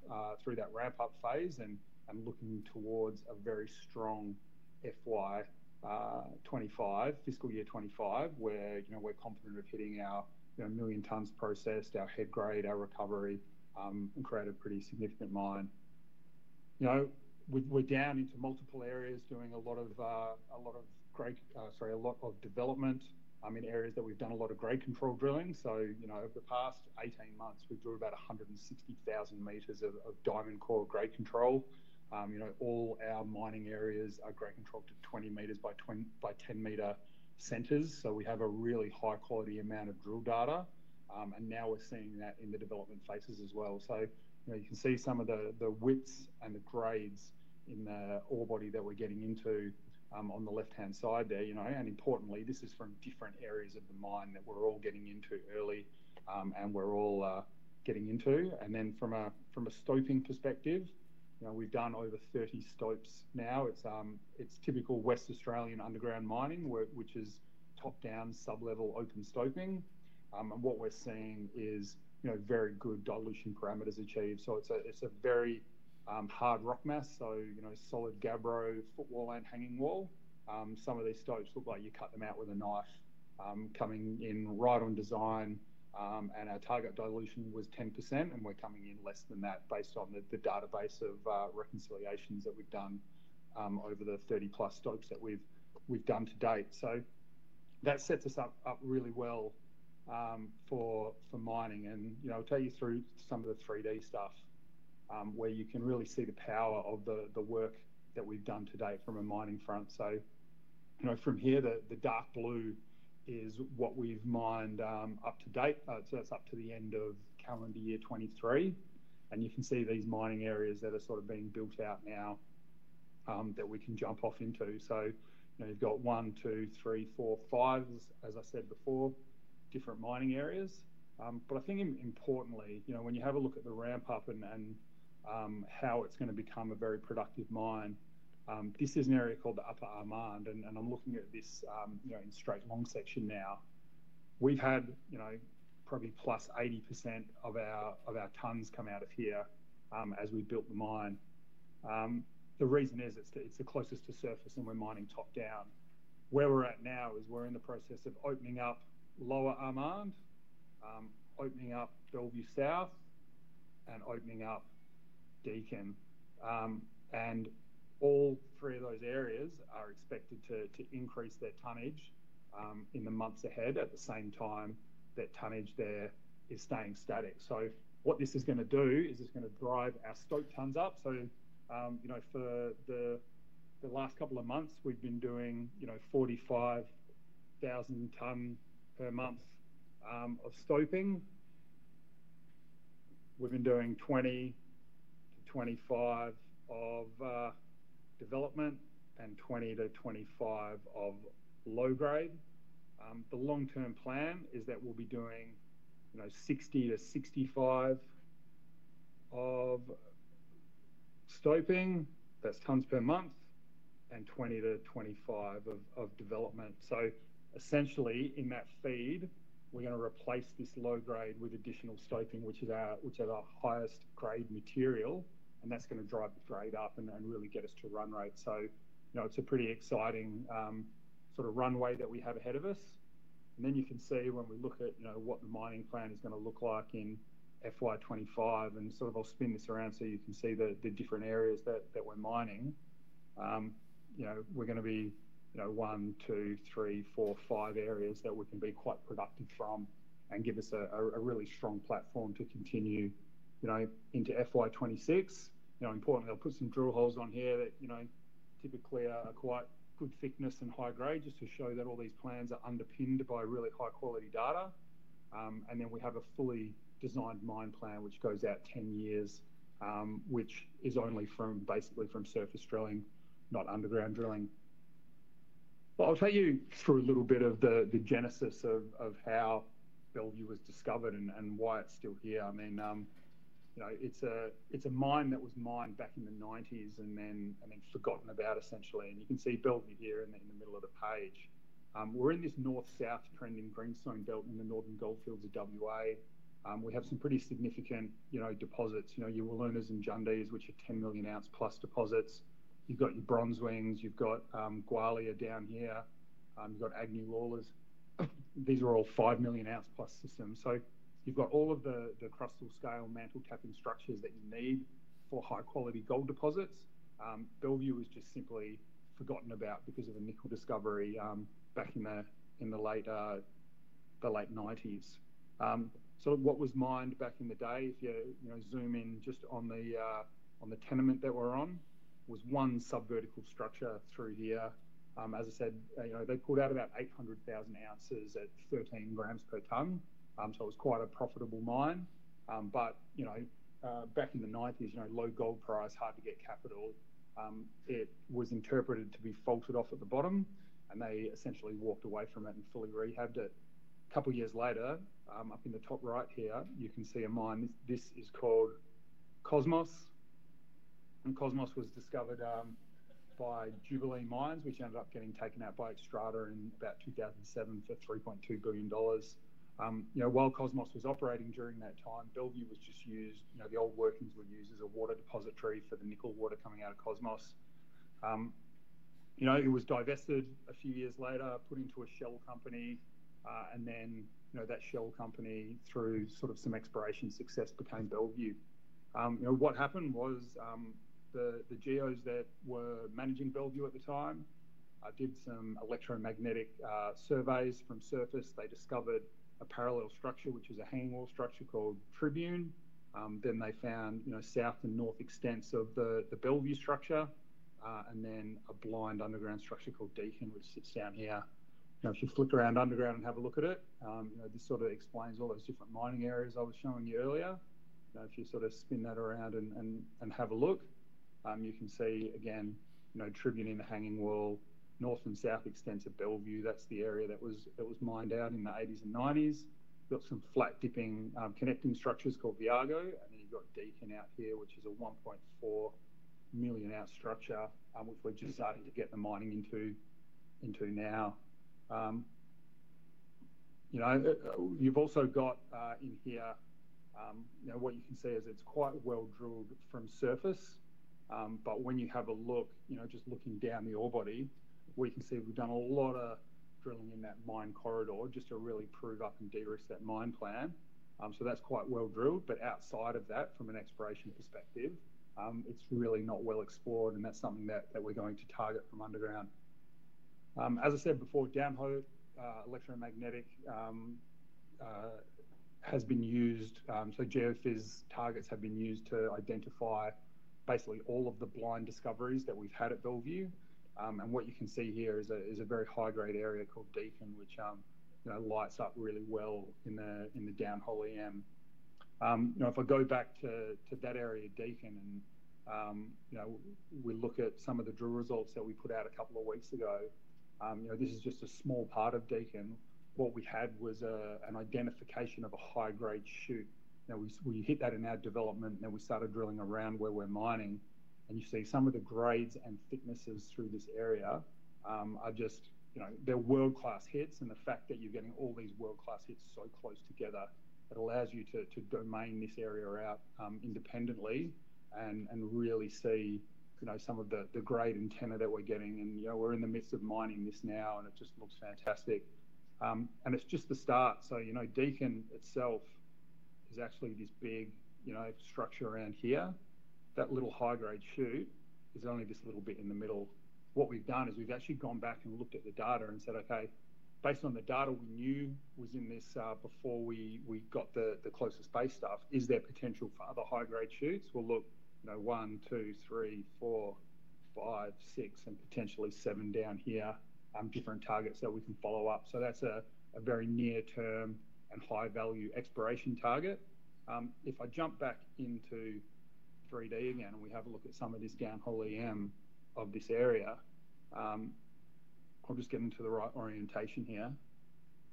through that ramp-up phase and looking towards a very strong FY 25, fiscal year 2025, where, you know, we're confident of hitting our 1 million tons processed, our head grade, our recovery, and create a pretty significant mine. You know, we're down into multiple areas, doing a lot of development in areas that we've done a lot of grade control drilling. So, you know, over the past 18 months, we've done about 160,000 meters of diamond core grade control. You know, all our mining areas are grade controlled to 20 meters by 10-meter centers, so we have a really high-quality amount of drill data. And now we're seeing that in the development phases as well. So, you know, you can see some of the, the widths and the grades in the ore body that we're getting into, on the left-hand side there, you know, and importantly, this is from different areas of the mine that we're all getting into early, and we're all, getting into. And then from a, from a stoping perspective, you know, we've done over 30 stopes now. It's, it's typical Western Australian underground mining, which is top-down, sub-level open stoping. And what we're seeing is, you know, very good dilution parameters achieved. So it's a, it's a very, hard rock mass, so, you know, solid gabbro footwall and hanging wall. Some of these stopes look like you cut them out with a knife, coming in right on design, and our target dilution was 10%, and we're coming in less than that based on the database of reconciliations that we've done over the 30-plus stopes that we've done to date. So that sets us up really well for mining and, you know, I'll take you through some of the 3D stuff, where you can really see the power of the work that we've done to date from a mining front. So, you know, from here, the dark blue is what we've mined up to date. So that's up to the end of calendar year 2023. You can see these mining areas that are sort of being built out now, that we can jump off into. So, you know, you've got 1, 2, 3, 4, 5 as I said before, different mining areas. But I think importantly, you know, when you have a look at the ramp up and how it's gonna become a very productive mine, this is an area called the Upper Armand, and I'm looking at this, you know, in straight long section now. We've had, you know, probably plus 80% of our tons come out of here, as we built the mine. The reason is, it's the closest to surface, and we're mining top-down. Where we're at now is we're in the process of opening up Lower Armand, opening up Bellevue South and opening up Deacon. And all three of those areas are expected to, to increase their tonnage, in the months ahead. At the same time, that tonnage there is staying static. So what this is gonna do is it's gonna drive our stope tonnes up. So, you know, for the, the last couple of months, we've been doing, you know, 45,000 tonne per month, of stoping. We've been doing 20-25 of, development and 20-25 of low grade. The long-term plan is that we'll be doing, you know, 60-65 of stoping, that's tonnes per month, and 20-25 of, of development. So essentially, in that feed, we're gonna replace this low grade with additional stoping, which is our, which are our highest grade material, and that's gonna drive the grade up and, and really get us to run rate. So, you know, it's a pretty exciting sort of runway that we have ahead of us. And then you can see when we look at, you know, what the mining plan is gonna look like in FY 25, and sort of I'll spin this around so you can see the, the different areas that, that we're mining. You know, we're gonna be, you know, 1, 2, 3, 4, 5 areas that we can be quite productive from and give us a, a, a really strong platform to continue, you know, into FY 26. You know, importantly, I'll put some drill holes on here that, you know, typically are quite good thickness and high grade, just to show that all these plans are underpinned by really high-quality data. And then we have a fully designed mine plan, which goes out 10 years, which is only from basically surface drilling, not underground drilling. But I'll take you through a little bit of the genesis of how Bellevue was discovered and why it's still here. I mean, you know, it's a mine that was mined back in the 1990s and then, I mean, forgotten about essentially, and you can see Bellevue here in the middle of the page. We're in this north-south trending greenstone belt in the Northern Goldfields of WA. We have some pretty significant, you know, deposits. You know, Wiluna and Jundee, which are 10 million ounce plus deposits. You've got your Bronzewing, you've got, Gwalia down here, you've got Agnew-Lawlers. These are all 5 million ounce plus systems. So you've got all of the, the crustal scale mantle capping structures that you need for high-quality gold deposits. Bellevue was just simply forgotten about because of the nickel discovery, back in the late nineties. So what was mined back in the day, if you know, zoom in just on the tenement that we're on, was one subvertical structure through here. As I said, you know, they pulled out about 800,000 ounces at 13 grams per tonne. So it was quite a profitable mine. But, you know, back in the 1990s, you know, low gold price, hard to get capital. It was interpreted to be faulted off at the bottom, and they essentially walked away from it and fully rehabbed it. A couple of years later, up in the top right here, you can see a mine. This, this is called Cosmos. And Cosmos was discovered by Jubilee Mines, which ended up getting taken out by Xstrata in about 2007 for $3.2 billion. You know, while Cosmos was operating during that time, Bellevue was just used... you know, the old workings were used as a water depository for the nickel water coming out of Cosmos. You know, it was divested a few years later, put into a shell company, and then, you know, that shell company, through sort of some exploration success, became Bellevue. You know, what happened was, the, the geos that were managing Bellevue at the time, did some electromagnetic surveys from surface. They discovered a parallel structure, which is a hanging wall structure called Tribune. Then they found, you know, south and north extents of the, the Bellevue structure, and then a blind underground structure called Deacon, which sits down here. Now, if you flip around underground and have a look at it, you know, this sort of explains all those different mining areas I was showing you earlier. Now, if you sort of spin that around and have a look, you can see again, you know, Tribune in the hanging wall, north and south extents of Bellevue, that's the area that was mined out in the eighties and nineties. You've got some flat dipping connecting structures called Viago, and then you've got Deacon out here, which is a 1.4 million-ounce structure, which we're just starting to get the mining into now. You know, you've also got in here, you know, what you can see is it's quite well-drilled from surface. But when you have a look, you know, just looking down the ore body, we can see we've done a lot of drilling in that mine corridor just to really prove up and de-risk that mine plan. So that's quite well-drilled, but outside of that, from an exploration perspective, it's really not well explored, and that's something that we're going to target from underground. As I said before, downhole electromagnetic has been used, so geophys targets have been used to identify basically all of the blind discoveries that we've had at Bellevue. And what you can see here is a very high-grade area called Deacon, which you know lights up really well in the downhole EM. You know, if I go back to that area, Deacon, and you know we look at some of the drill results that we put out a couple of weeks ago, you know this is just a small part of Deacon. What we had was an identification of a high-grade shoot. Now, we hit that in our development, and we started drilling around where we're mining, and you see some of the grades and thicknesses through this area are just, you know, they're world-class hits. And the fact that you're getting all these world-class hits so close together, it allows you to domain this area out independently and really see, you know, some of the grade and tenor that we're getting. And, you know, we're in the midst of mining this now, and it just looks fantastic. And it's just the start. So, you know, Deacon itself is actually this big, you know, structure around here. That little high-grade shoot is only this little bit in the middle. What we've done is we've actually gone back and looked at the data and said, "Okay, based on the data we knew was in this, before we got the closest base stuff, is there potential for other high-grade shoots?" Well, look, you know, one, two, three, four, five, six, and potentially seven down here, different targets that we can follow up. So that's a very near-term and high-value exploration target. If I jump back into 3D again, and we have a look at some of this downhole EM of this area, I'll just get into the right orientation here.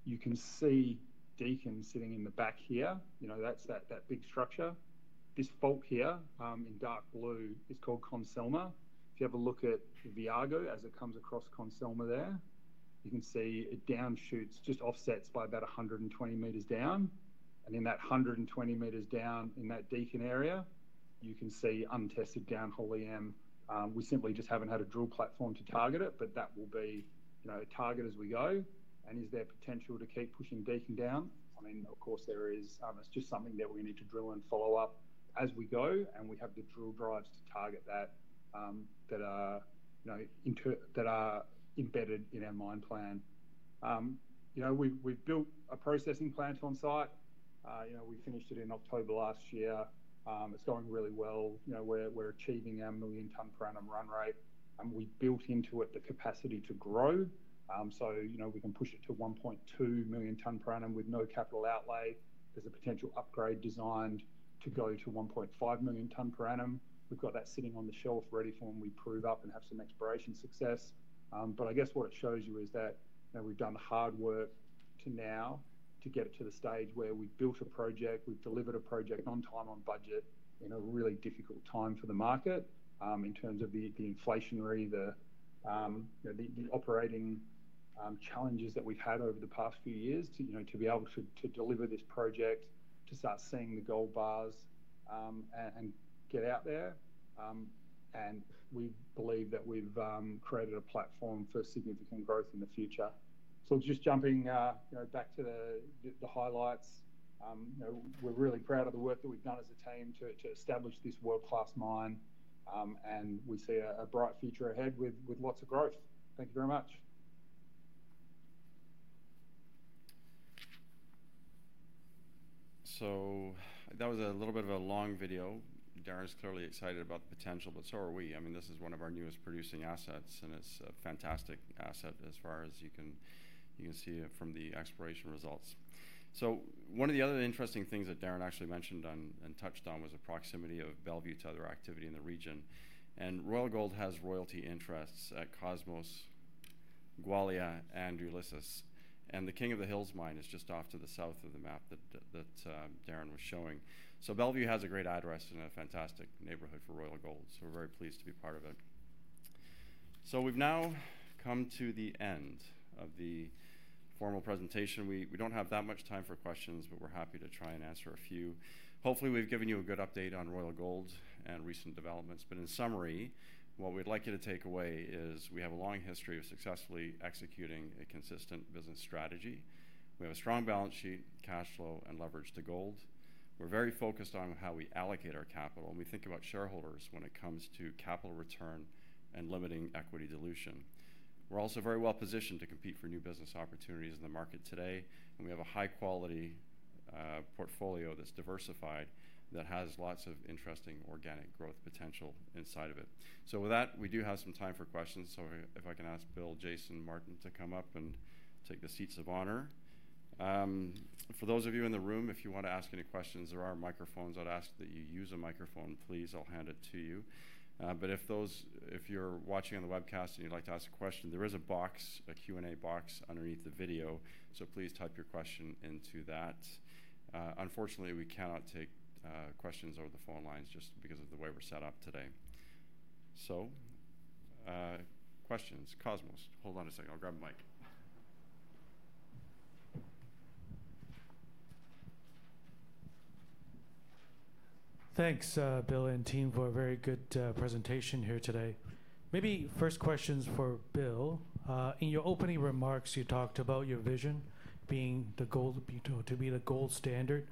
You can see Deacon sitting in the back here. You know, that's that big structure. This fault here, in dark blue, is called Consilma. If you have a look at Viago as it comes across Consilma there, you can see it downshoots, just offsets by about 120 meters down. And in that 120 meters down in that Deacon area, you can see untested downhole EM. We simply just haven't had a drill platform to target it, but that will be, you know, target as we go. And is there potential to keep pushing Deacon down? I mean, of course, there is. It's just something that we need to drill and follow up as we go, and we have the drill drives to target that, that are, you know, that are embedded in our mine plan. You know, we've built a processing plant on site. You know, we finished it in October last year. It's going really well. You know, we're achieving our 1 million tonne per annum run rate, and we've built into it the capacity to grow. So, you know, we can push it to 1.2 million tonne per annum with no capital outlay. There's a potential upgrade designed to go to 1.5 million tonne per annum. We've got that sitting on the shelf ready for when we prove up and have some exploration success. But I guess what it shows you is that, you know, we've done the hard work to now to get it to the stage where we've built a project, we've delivered a project on time, on budget, in a really difficult time for the market, in terms of the inflationary, you know, the operating challenges that we've had over the past few years to, you know, to be able to, to deliver this project, to start seeing the gold bars, and get out there. And we believe that we've created a platform for significant growth in the future. So just jumping, you know, back to the highlights, you know, we're really proud of the work that we've done as a team to establish this world-class mine, and we see a bright future ahead with lots of growth. Thank you very much! So that was a little bit of a long video. Darren's clearly excited about the potential, but so are we. I mean, this is one of our newest producing assets, and it's a fantastic asset as far as you can see it from the exploration results. So one of the other interesting things that Darren actually mentioned, and touched on, was the proximity of Bellevue to other activity in the region, and Royal Gold has royalty interests at Cosmos, Gwalia, and Ulysses. And the King of the Hills mine is just off to the south of the map that Darren was showing. So Bellevue has a great address and a fantastic neighborhood for Royal Gold, so we're very pleased to be part of it. So we've now come to the end of the formal presentation. We don't have that much time for questions, but we're happy to try and answer a few. Hopefully, we've given you a good update on Royal Gold and recent developments, but in summary, what we'd like you to take away is we have a long history of successfully executing a consistent business strategy. We have a strong balance sheet, cash flow, and leverage to gold. We're very focused on how we allocate our capital, and we think about shareholders when it comes to capital return and limiting equity dilution. We're also very well-positioned to compete for new business opportunities in the market today, and we have a high-quality portfolio that's diversified, that has lots of interesting organic growth potential inside of it. So with that, we do have some time for questions, so if I can ask Bill, Jason, and Martin to come up and take the seats of honor. For those of you in the room, if you want to ask any questions, there are microphones. I'd ask that you use a microphone, please. I'll hand it to you. But if you're watching on the webcast and you'd like to ask a question, there is a box, a Q&A box, underneath the video, so please type your question into that. Unfortunately, we cannot take questions over the phone lines just because of the way we're set up today. So, questions. Cosmos, hold on a second. I'll grab a mic. Thanks, Bill and team, for a very good presentation here today. Maybe first question's for Bill. In your opening remarks, you talked about your vision being the gold-- to, to be the gold standard.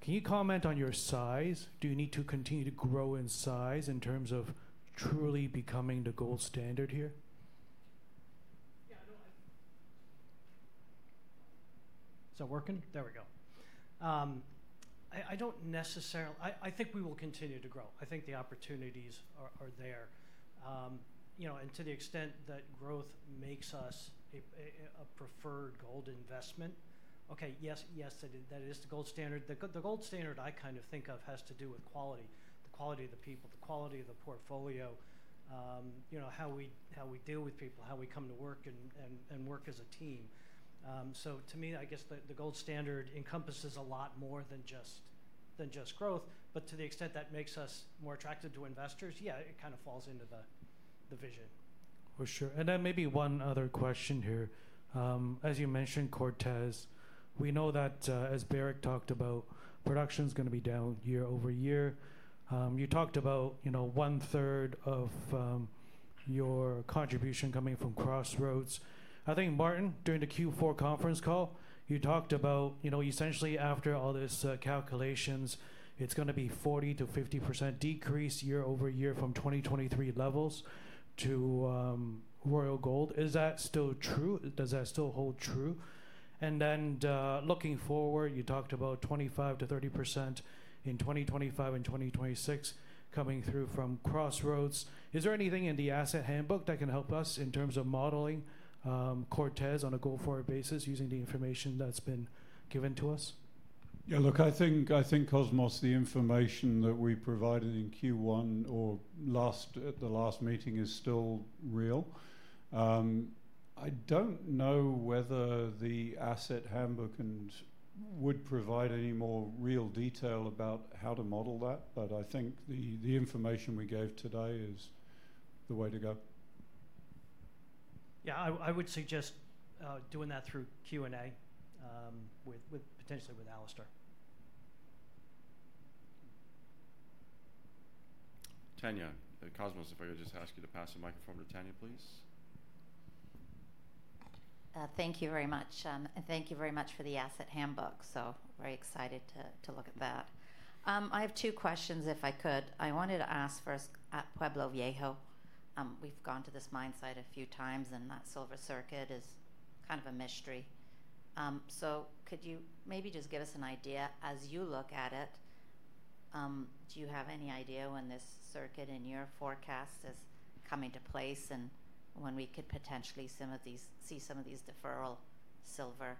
Can you comment on your size? Do you need to continue to grow in size in terms of truly becoming the gold standard here? Yeah, I don't. Is that working? There we go. I don't necessarily. I think we will continue to grow. I think the opportunities are there. You know, and to the extent that growth makes us a preferred gold investment, okay, yes, yes, it is, that is the gold standard. The gold standard I kind of think of has to do with quality, the quality of the people, the quality of the portfolio, you know, how we deal with people, how we come to work and work as a team. So to me, I guess the gold standard encompasses a lot more than just growth, but to the extent that makes us more attractive to investors, yeah, it kind of falls into the vision. For sure. And then maybe one other question here. As you mentioned, Cortez, we know that, as Barrick talked about, production's gonna be down year-over-year. You talked about, you know, one-third of your contribution coming from Crossroads. I think, Martin, during the Q4 conference call, you talked about, you know, essentially after all these calculations, it's gonna be 40%-50% decrease year-over-year from 2023 levels to Royal Gold. Is that still true? Does that still hold true? And then, looking forward, you talked about 25%-30% in 2025 and 2026 coming through from Crossroads. Is there anything in the Asset Handbook that can help us in terms of modeling Cortez, on a go-forward basis using the information that's been given to us? Yeah, look, I think Cosmos, the information that we provided in Q1 or last, at the last meeting is still real. I don't know whether the Asset Handbook and... would provide any more real detail about how to model that, but I think the information we gave today is the way to go. Yeah, I would suggest doing that through Q&A with potentially Alistair. Cosmos Chiu, if I could just ask you to pass the microphone to Tanya Jakusconek, please. Thank you very much, and thank you very much for the Asset Handbook, so very excited to look at that. I have two questions, if I could. I wanted to ask first, at Pueblo Viejo, we've gone to this mine site a few times, and that silver circuit is kind of a mystery. So could you maybe just give us an idea, as you look at it, do you have any idea when this circuit in your forecast is coming to place, and when we could potentially see some of these deferred silver,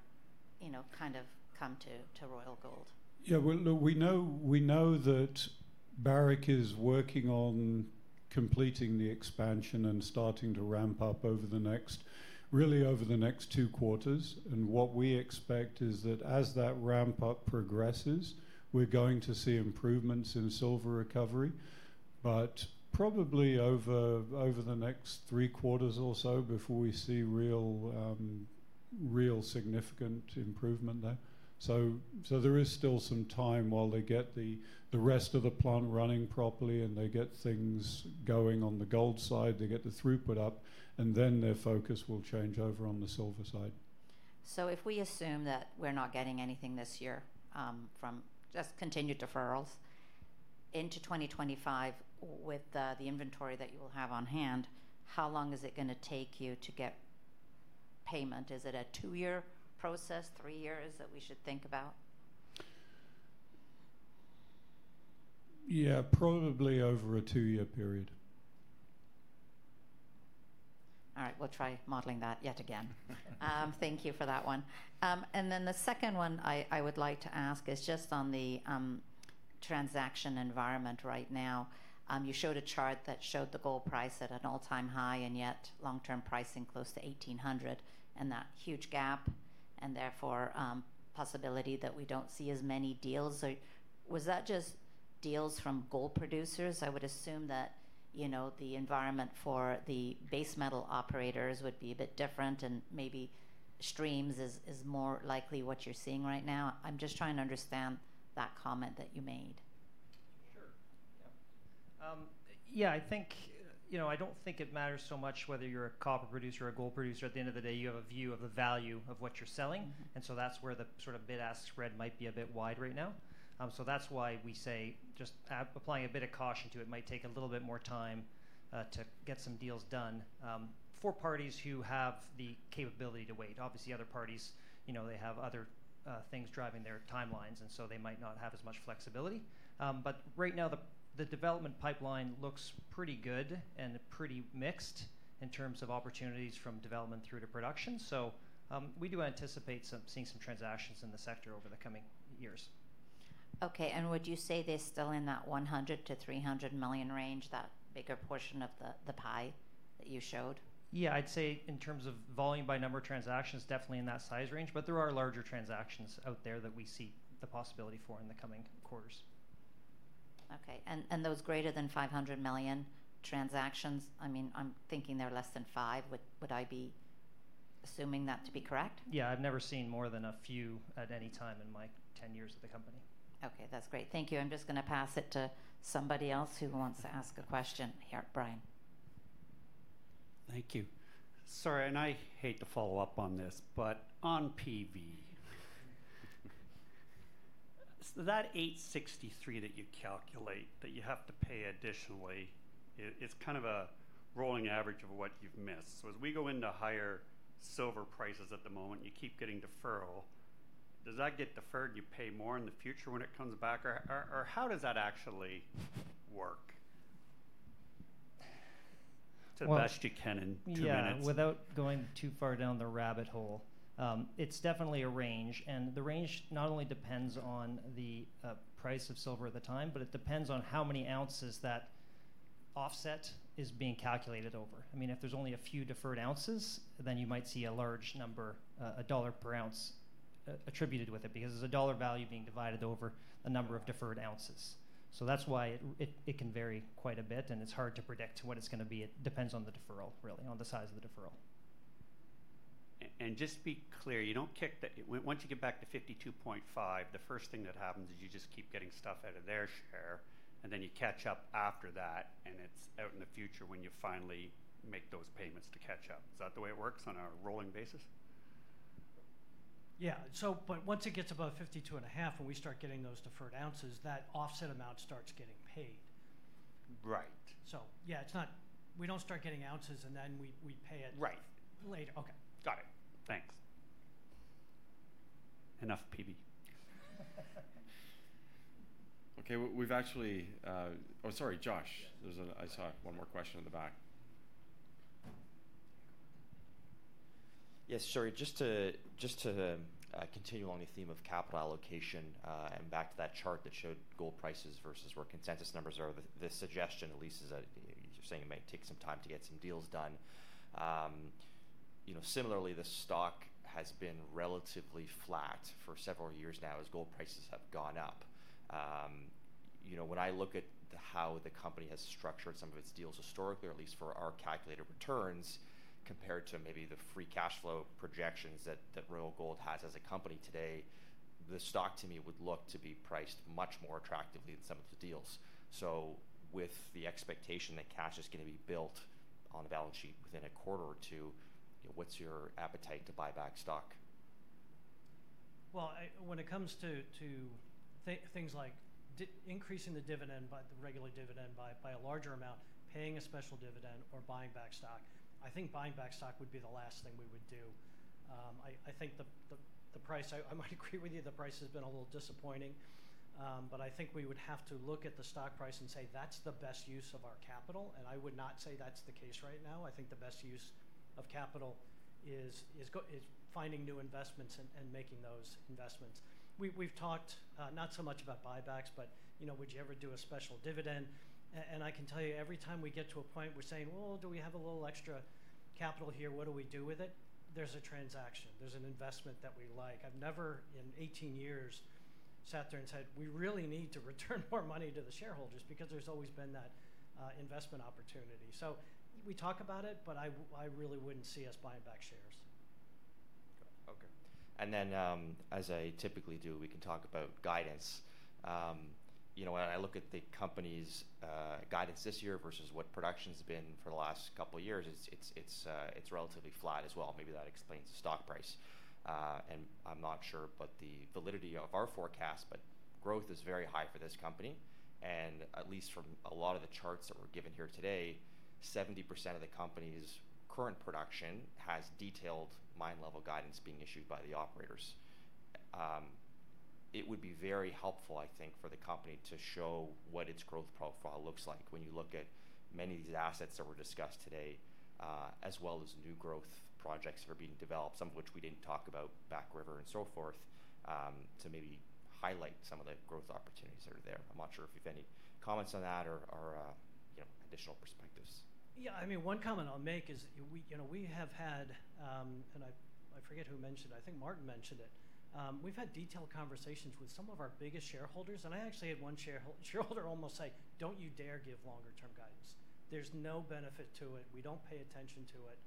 you know, kind of come to Royal Gold? Yeah, well, look, we know, we know that Barrick is working on completing the expansion and starting to ramp up over the next, really over the next two quarters. And what we expect is that as that ramp-up progresses, we're going to see improvements in silver recovery, but probably over, over the next three quarters or so before we see real, real significant improvement there. So, so there is still some time while they get the rest of the plant running properly, and they get things going on the gold side, they get the throughput up, and then their focus will change over on the silver side. So if we assume that we're not getting anything this year, from just continued deferrals into 2025 with the inventory that you will have on hand, how long is it gonna take you to get payment? Is it a 2-year process, 3 years that we should think about? Yeah, probably over a 2-year period. All right, we'll try modeling that yet again. Thank you for that one. And then the second one I would like to ask is just on the transaction environment right now. You showed a chart that showed the gold price at an all-time high, and yet long-term pricing close to $1,800 and that huge gap and therefore possibility that we don't see as many deals. So was that just deals from gold producers? I would assume that, you know, the environment for the base metal operators would be a bit different, and maybe streams is more likely what you're seeing right now. I'm just trying to understand that comment that you made. Sure. Yeah. Yeah, I think, you know, I don't think it matters so much whether you're a copper producer or a gold producer. At the end of the day, you have a view of the value of what you're selling- Mm-hmm. - and so that's where the sort of bid-ask spread might be a bit wide right now. So that's why we say just applying a bit of caution to it might take a little bit more time to get some deals done for parties who have the capability to wait. Obviously, other parties, you know, they have other things driving their timelines, and so they might not have as much flexibility. But right now, the development pipeline looks pretty good and pretty mixed in terms of opportunities from development through to production. So we do anticipate seeing some transactions in the sector over the coming years. Okay, and would you say they're still in that $100 million-$300 million range, that bigger portion of the pie that you showed? Yeah, I'd say in terms of volume by number of transactions, definitely in that size range, but there are larger transactions out there that we see the possibility for in the coming quarters. Okay, those greater than 500 million transactions, I mean, I'm thinking they're less than five. Would I be assuming that to be correct? Yeah. I've never seen more than a few at any time in my 10 years at the company. Okay, that's great. Thank you. I'm just gonna pass it to somebody else who wants to ask a question. Here, Brian. Thank you. Sorry, and I hate to follow up on this, but on PV, so that $863 that you calculate, that you have to pay additionally, it, it's kind of a rolling average of what you've missed. So as we go into higher silver prices at the moment, you keep getting deferral. Does that get deferred, you pay more in the future when it comes back, or, or, or how does that actually work? Well- The best you can in two minutes. Yeah, without going too far down the rabbit hole, it's definitely a range. And the range not only depends on the price of silver at the time, but it depends on how many ounces that offset is being calculated over. I mean, if there's only a few deferred ounces, then you might see a large number, $1 per ounce, attributed with it, because there's a dollar value being divided over the number of deferred ounces. So that's why it can vary quite a bit, and it's hard to predict what it's gonna be. It depends on the deferral, really, on the size of the deferral. Just to be clear, you don't kick the... Once you get back to 52.5, the first thing that happens is you just keep getting stuff out of their share, and then you catch up after that, and it's out in the future when you finally make those payments to catch up. Is that the way it works on a rolling basis? Yeah. So, but once it gets above 52.5, when we start getting those deferred ounces, that offset amount starts getting paid. Right. So yeah, it's not—we don't start getting ounces, and then we, we pay it- Right... later. Okay. Got it. Thanks. Enough PV. Okay, well, we've actually... Oh, sorry, Josh. Yeah. I saw one more question in the back. Yes, sorry, just to continue on the theme of capital allocation, and back to that chart that showed gold prices versus where consensus numbers are, the suggestion at least is that you're saying it might take some time to get some deals done. You know, similarly, the stock has been relatively flat for several years now as gold prices have gone up. You know, when I look at how the company has structured some of its deals historically, or at least for our calculated returns, compared to maybe the free cash flow projections that Royal Gold has as a company today, the stock to me would look to be priced much more attractively than some of the deals. With the expectation that cash is gonna be built on the balance sheet within a quarter or two, you know, what's your appetite to buy back stock? Well, when it comes to things like increasing the dividend by the regular dividend by a larger amount, paying a special dividend or buying back stock, I think buying back stock would be the last thing we would do. I think the price, I might agree with you, the price has been a little disappointing, but I think we would have to look at the stock price and say, "That's the best use of our capital," and I would not say that's the case right now. I think the best use of capital is finding new investments and making those investments. We've talked not so much about buybacks, but, you know, would you ever do a special dividend? I can tell you, every time we get to a point, we're saying, "Well, do we have a little extra capital here? What do we do with it?" There's a transaction. There's an investment that we like. I've never, in 18 years, sat there and said, "We really need to return more money to the shareholders," because there's always been that investment opportunity. So we talk about it, but I really wouldn't see us buying back shares. Okay. Then, as I typically do, we can talk about guidance. You know, when I look at the company's guidance this year versus what production's been for the last couple of years, it's relatively flat as well. Maybe that explains the stock price. And I'm not sure about the validity of our forecast, but growth is very high for this company, and at least from a lot of the charts that were given here today, 70% of the company's current production has detailed mine level guidance being issued by the operators. It would be very helpful, I think, for the company to show what its growth profile looks like. When you look at many of these assets that were discussed today, as well as new growth projects that are being developed, some of which we didn't talk about, Back River and so forth, to maybe highlight some of the growth opportunities that are there. I'm not sure if you have any comments on that or, or, you know, additional perspectives. Yeah, I mean, one comment I'll make is we, you know, we have had. And I forget who mentioned, I think Martin mentioned it. We've had detailed conversations with some of our biggest shareholders, and I actually had one shareholder almost say, "Don't you dare give longer term guidance. There's no benefit to it. We don't pay attention to it."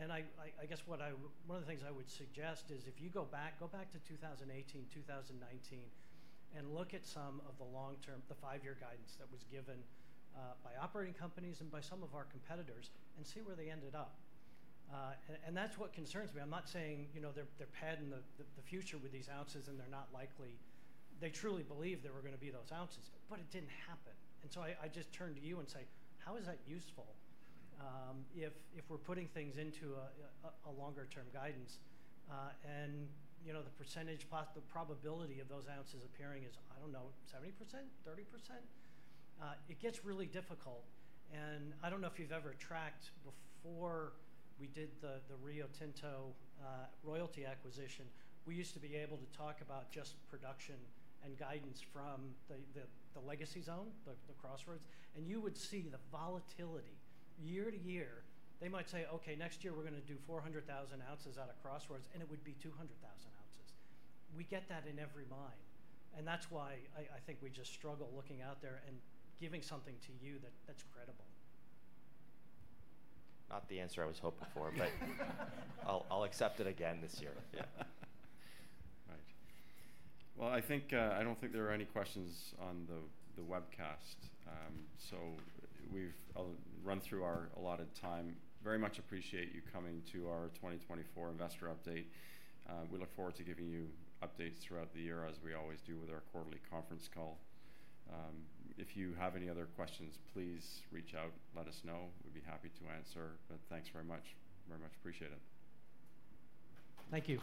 And I guess one of the things I would suggest is if you go back, go back to 2018, 2019, and look at some of the long-term, the five-year guidance that was given by operating companies and by some of our competitors, and see where they ended up. And that's what concerns me. I'm not saying, you know, they're padding the future with these ounces, and they're not likely... They truly believed there were gonna be those ounces, but it didn't happen. And so I just turn to you and say: How is that useful, if we're putting things into a longer term guidance, and, you know, the percentage pos- the probability of those ounces appearing is, I don't know, 70%? 30%? It gets really difficult, and I don't know if you've ever tracked before we did the Rio Tinto royalty acquisition, we used to be able to talk about just production and guidance from the Legacy Zone, the Crossroads, and you would see the volatility year-to-year. They might say, "Okay, next year we're gonna do 400,000 ounces out of Crossroads," and it would be 200,000 ounces. We get that in every mine, and that's why I, I think we just struggle looking out there and giving something to you that, that's credible. Not the answer I was hoping for, but I'll accept it again this year. Yeah. Right. Well, I think, I don't think there are any questions on the webcast. So we've run through our allotted time. Very much appreciate you coming to our 2024 investor update. We look forward to giving you updates throughout the year, as we always do with our quarterly conference call. If you have any other questions, please reach out, let us know. We'd be happy to answer, but thanks very much. Very much appreciate it. Thank you.